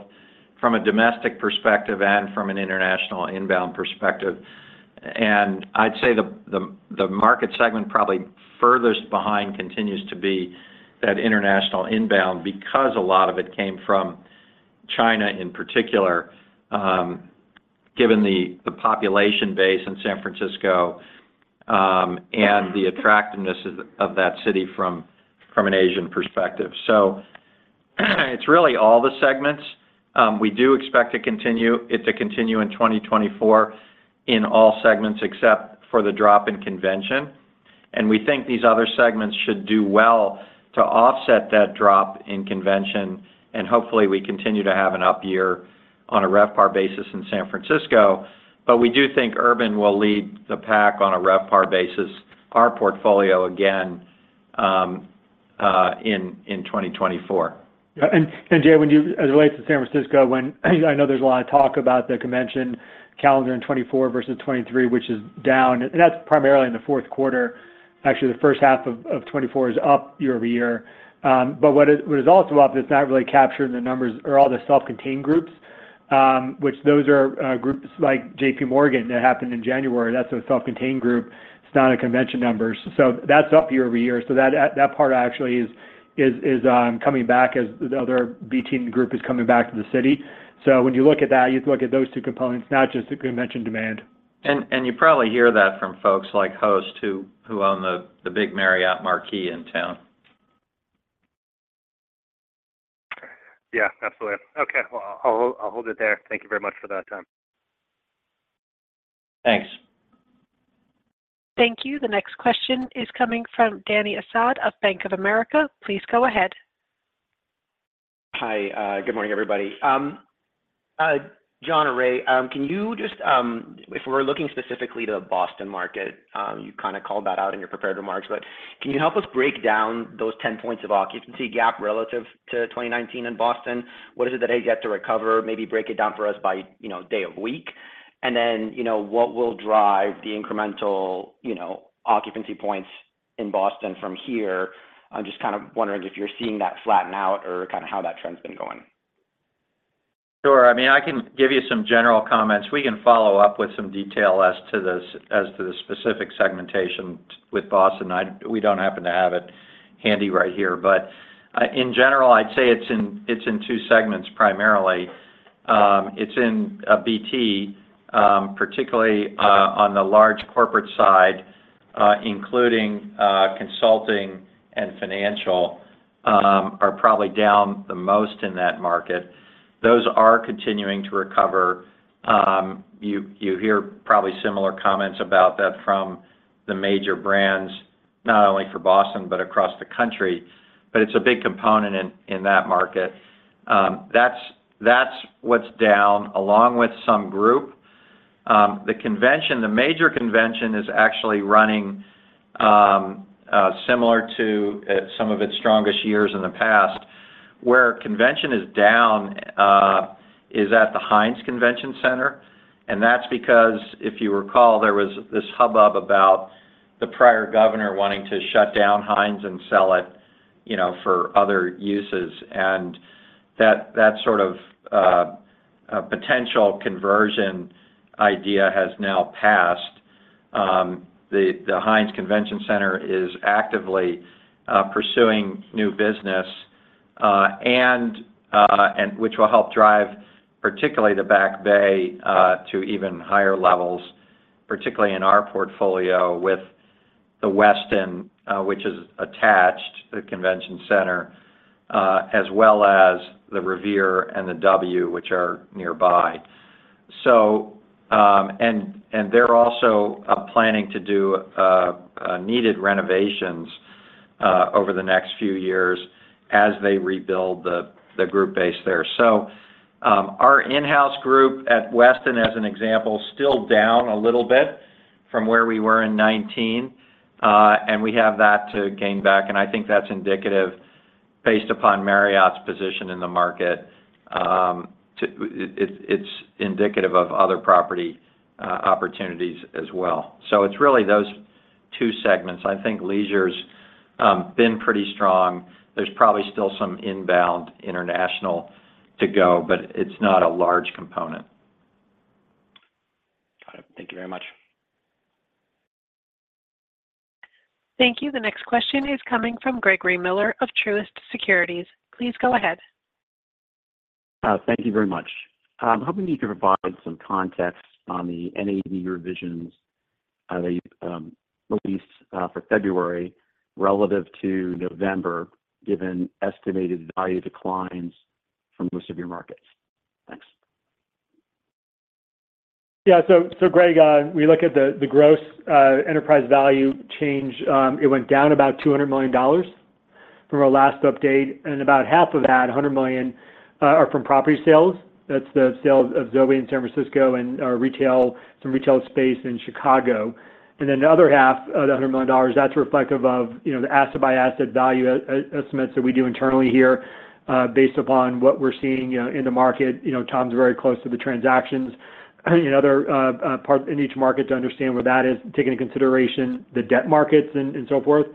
from a domestic perspective and from an international inbound perspective. I'd say the market segment probably furthest behind continues to be that international inbound, because a lot of it came from China, in particular, given the population base in San Francisco, and the attractiveness of that city from an Asian perspective. So it's really all the segments. We do expect to continue in 2024 in all segments, except for the drop in convention. And we think these other segments should do well to offset that drop in convention, and hopefully, we continue to have an up year on a RevPAR basis in San Francisco. But we do think urban will lead the pack on a RevPAR basis, our portfolio, again, in 2024. Yeah, and Jay, when you as it relates to San Francisco, when I know there's a lot of talk about the convention calendar in 2024 versus 2023, which is down, and that's primarily in the fourth quarter. Actually, the first half of 2024 is up year-over-year. But what is also up, that's not really captured in the numbers, are all the self-contained groups, which those are groups like JPMorgan, that happened in January. That's a self-contained group. It's not a convention numbers, so that's up year-over-year. So that part actually is coming back as the other big group is coming back to the city. So when you look at that, you look at those two components, not just the convention demand. You probably hear that from folks like Host, who own the big Marriott Marquis in town. Yeah, absolutely. Okay, well, I'll, I'll hold it there. Thank you very much for that time. Thanks. Thank you. The next question is coming from Dany Asad of Bank of America. Please go ahead. Hi, good morning, everybody. Jon and Ray, can you just... If we're looking specifically to the Boston market, you kinda called that out in your prepared remarks, but can you help us break down those 10 points of occupancy gap relative to 2019 in Boston? What is it that they get to recover? Maybe break it down for us by, you know, day of week. And then, you know, what will drive the incremental, you know, occupancy points in Boston from here? I'm just kind of wondering if you're seeing that flatten out or kinda how that trend's been going. Sure. I mean, I can give you some general comments. We can follow up with some detail as to the specific segmentation with Boston. We don't happen to have it handy right here. But in general, I'd say it's in two segments, primarily. It's in BT, particularly on the large corporate side, including consulting and financial, are probably down the most in that market. Those are continuing to recover. You hear probably similar comments about that from the major brands, not only for Boston, but across the country, but it's a big component in that market. That's what's down, along with some group. The convention, the major convention, is actually running similar to some of its strongest years in the past. Where convention is down, is at the Hynes Convention Center, and that's because, if you recall, there was this hubbub about the prior governor wanting to shut down Hynes and sell it, you know, for other uses. And that sort of potential conversion idea has now passed. The Hynes Convention Center is actively pursuing new business, and which will help drive, particularly the Back Bay, to even higher levels, particularly in our portfolio with the Westin, which is attached to the convention center, as well as the Revere and the W, which are nearby. So... And they're also planning to do needed renovations over the next few years as they rebuild the group base there. So, our in-house group at Westin, as an example, still down a little bit from where we were in 2019, and we have that to gain back, and I think that's indicative, based upon Marriott's position in the market, it's indicative of other property opportunities as well. So it's really those two segments. I think leisure's been pretty strong. There's probably still some inbound international to go, but it's not a large component. Got it. Thank you very much. Thank you. The next question is coming from Gregory Miller of Truist Securities. Please go ahead.... Thank you very much. I'm hoping you can provide some context on the NAV revisions that you released for February relative to November, given estimated value declines from most of your markets. Thanks. Yeah. So, Greg, we look at the gross enterprise value change. It went down about $200 million from our last update, and about half of that, $100 million, are from property sales. That's the sales of Zoe in San Francisco and retail, some retail space in Chicago. And then the other half of the $100 million, that's reflective of, you know, the asset-by-asset value estimates that we do internally here, based upon what we're seeing, you know, in the market. You know, Tom's very close to the transactions, you know, there, particularly in each market to understand where that is, taking into consideration the debt markets and so forth.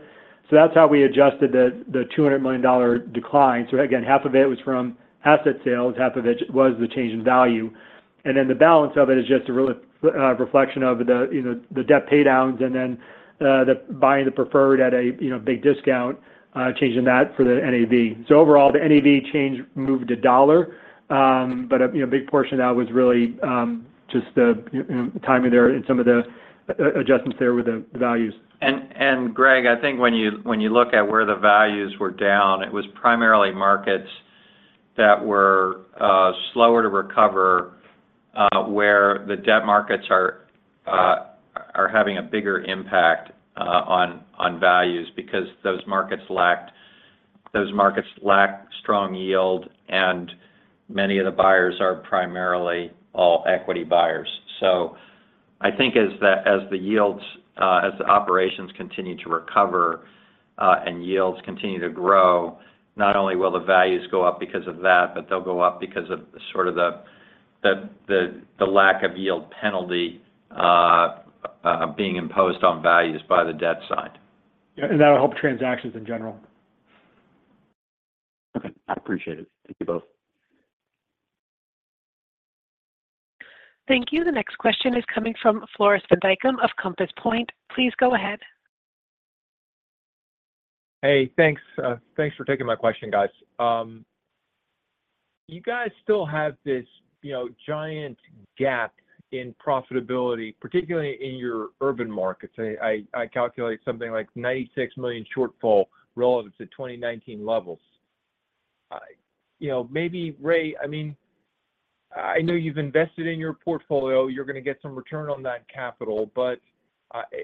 So that's how we adjusted the $200 million decline. So again, half of it was from asset sales, half of it was the change in value. And then the balance of it is just a reflection of the, you know, the debt pay downs and then, the buying the preferred at a, you know, big discount, changing that for the NAV. So overall, the NAV change moved $1, but a, you know, big portion of that was really, just the, you know, timing there and some of the, adjustments there with the, the values. And Greg, I think when you look at where the values were down, it was primarily markets that were slower to recover, where the debt markets are having a bigger impact on values because those markets lacked—those markets lack strong yield, and many of the buyers are primarily all equity buyers. So I think as the yields, as the operations continue to recover, and yields continue to grow, not only will the values go up because of that, but they'll go up because of the sort of the lack of yield penalty being imposed on values by the debt side. Yeah, and that'll help transactions in general. Okay, I appreciate it. Thank you both. Thank you. The next question is coming from Floris van Dijkum of Compass Point. Please go ahead. Hey, thanks, thanks for taking my question, guys. You guys still have this, you know, giant gap in profitability, particularly in your urban markets. I calculate something like $96 million shortfall relative to 2019 levels. You know, maybe, Ray, I mean, I know you've invested in your portfolio, you're going to get some return on that capital, but,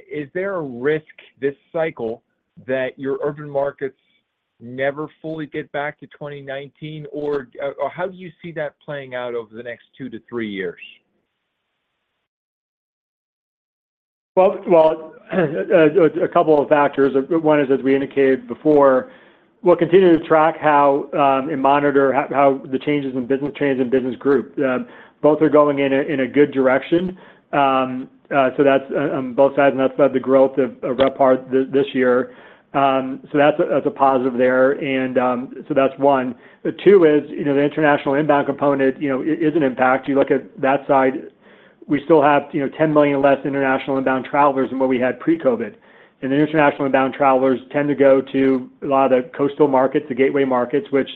is there a risk this cycle that your urban markets never fully get back to 2019? Or, how do you see that playing out over the next two to three years? Well, a couple of factors. One is, as we indicated before, we'll continue to track and monitor how the changes in business trends in business group. Both are going in a good direction. So that's both sides, and that's led the growth of RevPAR this year. So that's a positive there. And so that's one. Two is, you know, the international inbound component, you know, is an impact. You look at that side, we still have, you know, 10 million less international inbound travelers than what we had pre-COVID. And the international inbound travelers tend to go to a lot of the coastal markets, the gateway markets, which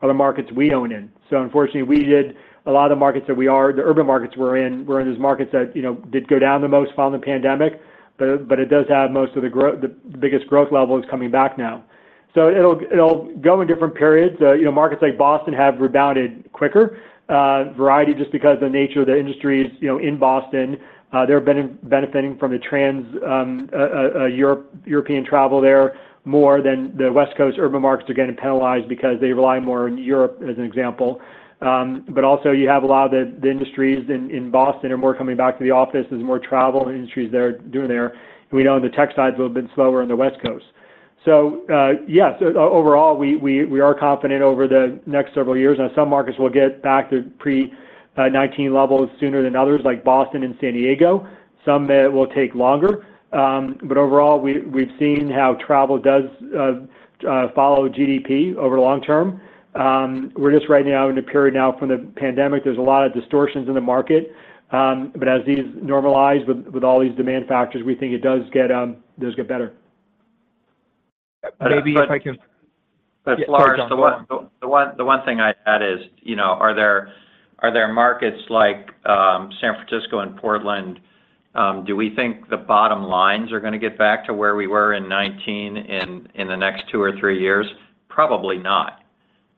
are the markets we own in. So unfortunately, we did a lot of the markets that we are, the urban markets we're in, we're in those markets that, you know, did go down the most following the pandemic, but it does have most of the growth—the biggest growth level is coming back now. So it'll go in different periods. You know, markets like Boston have rebounded quicker, a variety just because the nature of the industries, you know, in Boston, they've been benefiting from the transatlantic European travel there, more than the West Coast urban markets are getting penalized because they rely more on Europe, as an example. But also you have a lot of the industries in Boston are more coming back to the office. There's more travel industries they're doing there. We know the tech side is a little bit slower on the West Coast. So, yes, overall, we are confident over the next several years, and some markets will get back to pre-2019 levels sooner than others, like Boston and San Diego. Some will take longer, but overall, we've seen how travel does follow GDP over long term. We're just right now in a period now from the pandemic, there's a lot of distortions in the market, but as these normalize with all these demand factors, we think it does get better. Maybe if I can- Yeah, sorry- The one thing I'd add is, you know, are there markets like San Francisco and Portland, do we think the bottom lines are gonna get back to where we were in 2019 in the next two or three years? Probably not.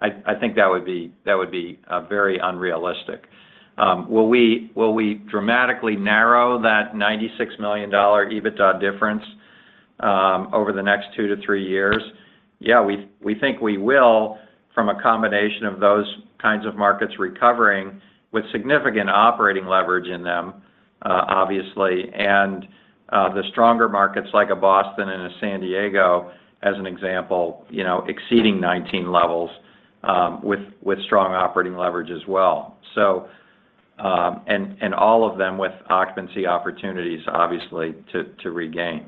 I think that would be very unrealistic. Will we dramatically narrow that $96 million EBITDA difference over the next two to three years? Yeah, we think we will, from a combination of those kinds of markets recovering with significant operating leverage in them, obviously, and the stronger markets like Boston and San Diego, as an example, you know, exceeding 2019 levels, with strong operating leverage as well. So, and all of them with occupancy opportunities, obviously, to regain.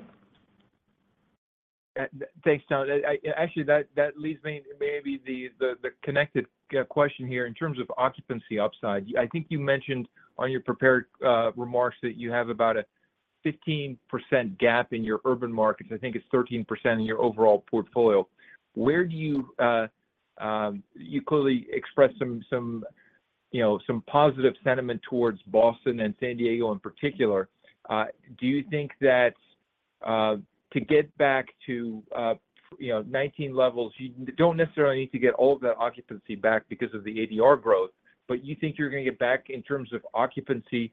Thanks, Tom. Actually, that leads me to maybe the connected question here. In terms of occupancy upside, I think you mentioned on your prepared remarks that you have about a 15% gap in your urban markets, I think it's 13% in your overall portfolio. Where do you you clearly expressed some, some, you know, some positive sentiment towards Boston and San Diego in particular. Do you think that to get back to, you know, 2019 levels, you don't necessarily need to get all of the occupancy back because of the ADR growth, but you think you're gonna get back in terms of occupancy,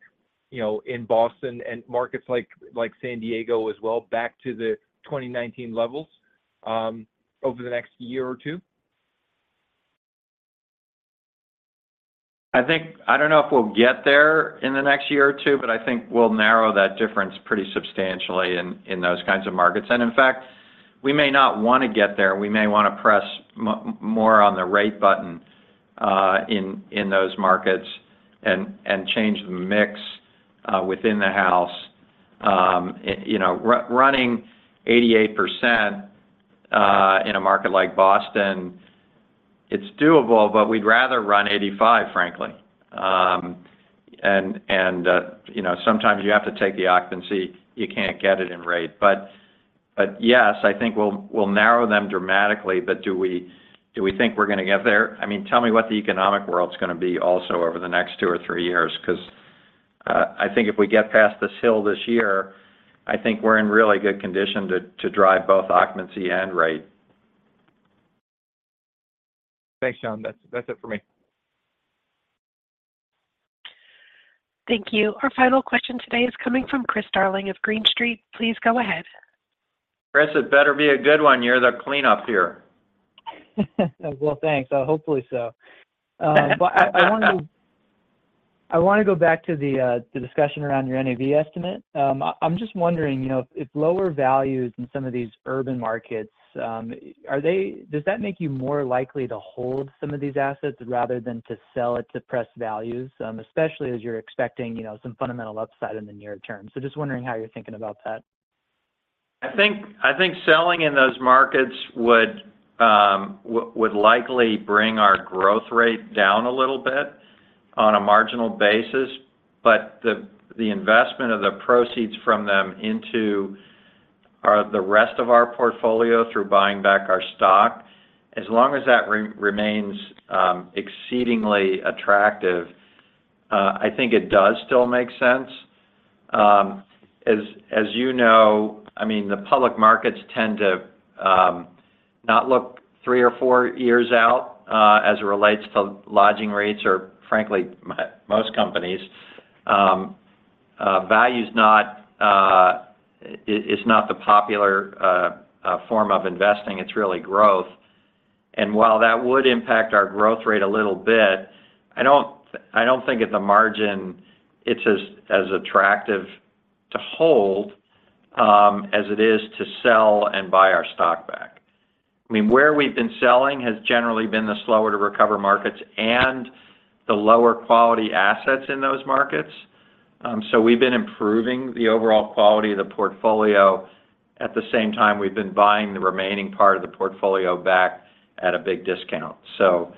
you know, in Boston and markets like, like San Diego as well, back to the 2019 levels over the next year or two? I think I don't know if we'll get there in the next year or two, but I think we'll narrow that difference pretty substantially in those kinds of markets. And in fact, we may not wanna get there. We may wanna press more on the rate button in those markets, and change the mix within the house. And you know, running 88% in a market like Boston, it's doable, but we'd rather run 85%, frankly. And you know, sometimes you have to take the occupancy, you can't get it in rate. But yes, I think we'll narrow them dramatically, but do we think we're gonna get there? I mean, tell me what the economic world's gonna be also over the next two or three years, 'cause, I think if we get past this hill this year, I think we're in really good condition to, to drive both occupancy and rate. Thanks, Sean. That's it for me. Thank you. Our final question today is coming from Chris Darling of Green Street. Please go ahead. Chris, it better be a good one. You're the cleanup here. Well, thanks. Hopefully so. But I wanna go back to the discussion around your NAV estimate. I'm just wondering, you know, if lower values in some of these urban markets are they—does that make you more likely to hold some of these assets rather than to sell at suppressed values, especially as you're expecting, you know, some fundamental upside in the near term? So just wondering how you're thinking about that. I think, I think selling in those markets would likely bring our growth rate down a little bit on a marginal basis. But the investment of the proceeds from them into the rest of our portfolio through buying back our stock, as long as that remains exceedingly attractive, I think it does still make sense. As you know, I mean, the public markets tend to not look three or four years out, as it relates to lodging rates, or frankly, most companies. Value's not it's not the popular form of investing, it's really growth. And while that would impact our growth rate a little bit, I don't think at the margin, it's as attractive to hold as it is to sell and buy our stock back. I mean, where we've been selling has generally been the slower to recover markets and the lower quality assets in those markets. So we've been improving the overall quality of the portfolio. At the same time, we've been buying the remaining part of the portfolio back at a big discount. So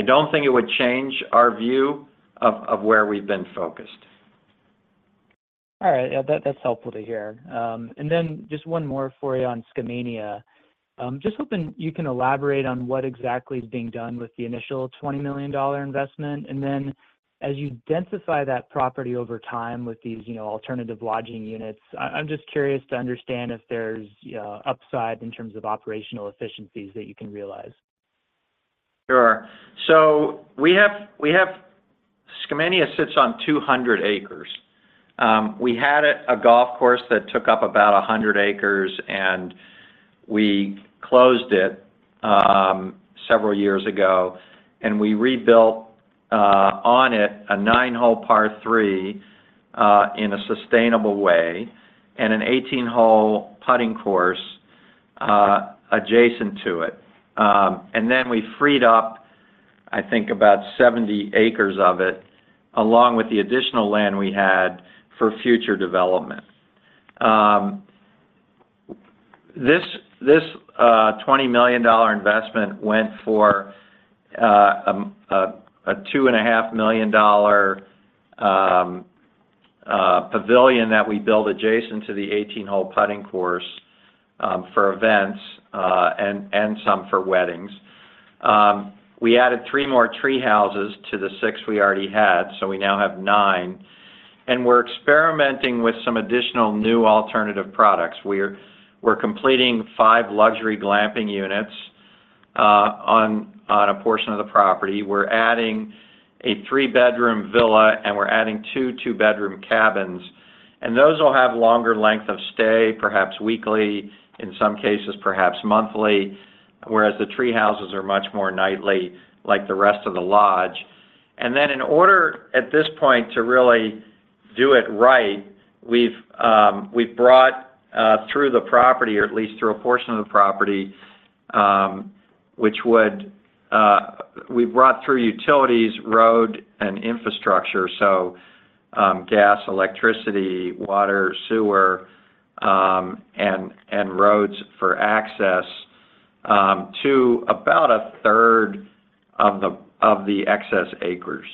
I don't think it would change our view of, of where we've been focused. All right. Yeah, that, that's helpful to hear. And then just one more for you on Skamania. Just hoping you can elaborate on what exactly is being done with the initial $20 million investment. And then, as you densify that property over time with these, you know, alternative lodging units, I, I'm just curious to understand if there's upside in terms of operational efficiencies that you can realize. Sure. So we have—Skamania sits on 200 acres. We had a golf course that took up about 100 acres, and we closed it several years ago, and we rebuilt on it a nine-hole par three in a sustainable way, and an eighteen-hole putting course adjacent to it. And then we freed up, I think about 70 acres of it, along with the additional land we had for future development. This twenty million dollar investment went for a two and a half million dollar pavilion that we built adjacent to the eighteen-hole putting course for events and some for weddings. We added three more tree houses to the six we already had, so we now have nine. And we're experimenting with some additional new alternative products. We're completing five luxury glamping units on a portion of the property. We're adding a 3-bedroom villa, and we're adding two 2-bedroom cabins. And those will have longer length of stay, perhaps weekly, in some cases, perhaps monthly, whereas the treehouses are much more nightly, like the rest of the lodge. And then, at this point, to really do it right, we've brought through the property, or at least through a portion of the property, which would. We've brought through utilities, road, and infrastructure, so gas, electricity, water, sewer, and roads for access to about a third of the excess acres.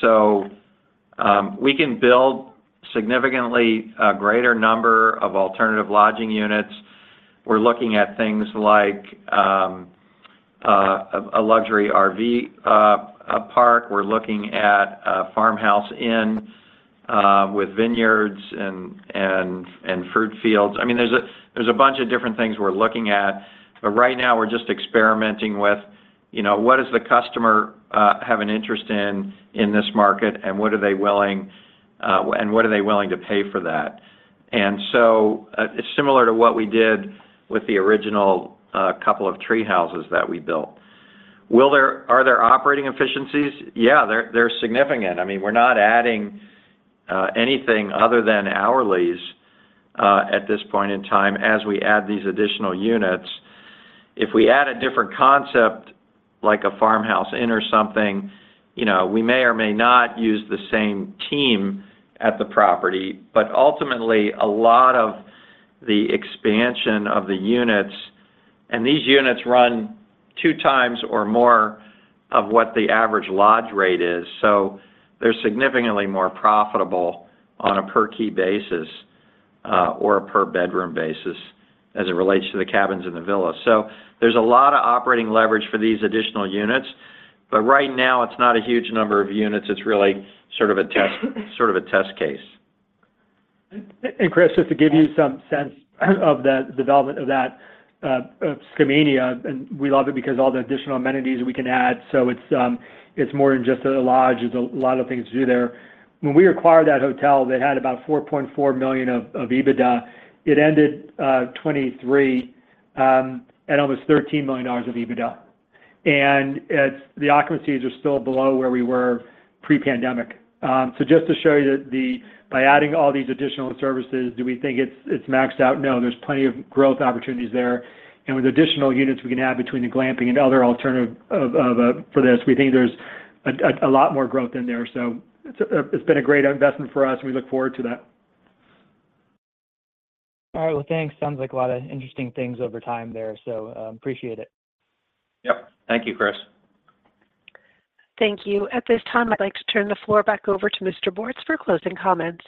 So we can build significantly a greater number of alternative lodging units. We're looking at things like a luxury RV park. We're looking at a farmhouse inn with vineyards and fruit fields. I mean, there's a bunch of different things we're looking at, but right now we're just experimenting with, you know, what does the customer have an interest in this market? And what are they willing to pay for that? And so, it's similar to what we did with the original couple of tree houses that we built. Are there operating efficiencies? Yeah, they're significant. I mean, we're not adding anything other than hourlies at this point in time, as we add these additional units. If we add a different concept, like a farmhouse inn or something, you know, we may or may not use the same team at the property. But ultimately, a lot of the expansion of the units. And these units run two times or more of what the average lodge rate is, so they're significantly more profitable on a per-key basis, or a per-bedroom basis as it relates to the cabins and the villa. So there's a lot of operating leverage for these additional units, but right now, it's not a huge number of units. It's really sort of a test case. And Chris, just to give you some sense of the development of that Skamania, and we love it because all the additional amenities we can add, so it's more than just a lodge. There's a lot of things to do there. When we acquired that hotel, they had about $4.4 million of EBITDA. It ended 2023 at almost $13 million of EBITDA. And it's the occupancies are still below where we were pre-pandemic. So just to show you that the by adding all these additional services, do we think it's maxed out? No, there's plenty of growth opportunities there. And with additional units we can add between the glamping and other alternative. For this, we think there's a lot more growth in there. So it's, it's been a great investment for us, and we look forward to that. All right. Well, thanks. Sounds like a lot of interesting things over time there, so, appreciate it. Yep. Thank you, Chris. Thank you. At this time, I'd like to turn the floor back over to Mr. Bortz for closing comments.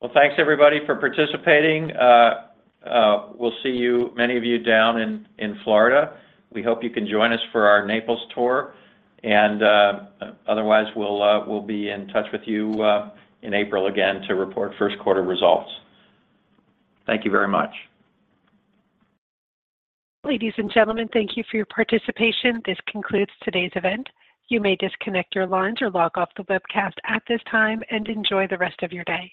Well, thanks, everybody, for participating. We'll see you, many of you down in Florida. We hope you can join us for our Naples tour. Otherwise, we'll be in touch with you in April again to report first quarter results. Thank you very much. Ladies and gentlemen, thank you for your participation. This concludes today's event. You may disconnect your lines or log off the webcast at this time, and enjoy the rest of your day.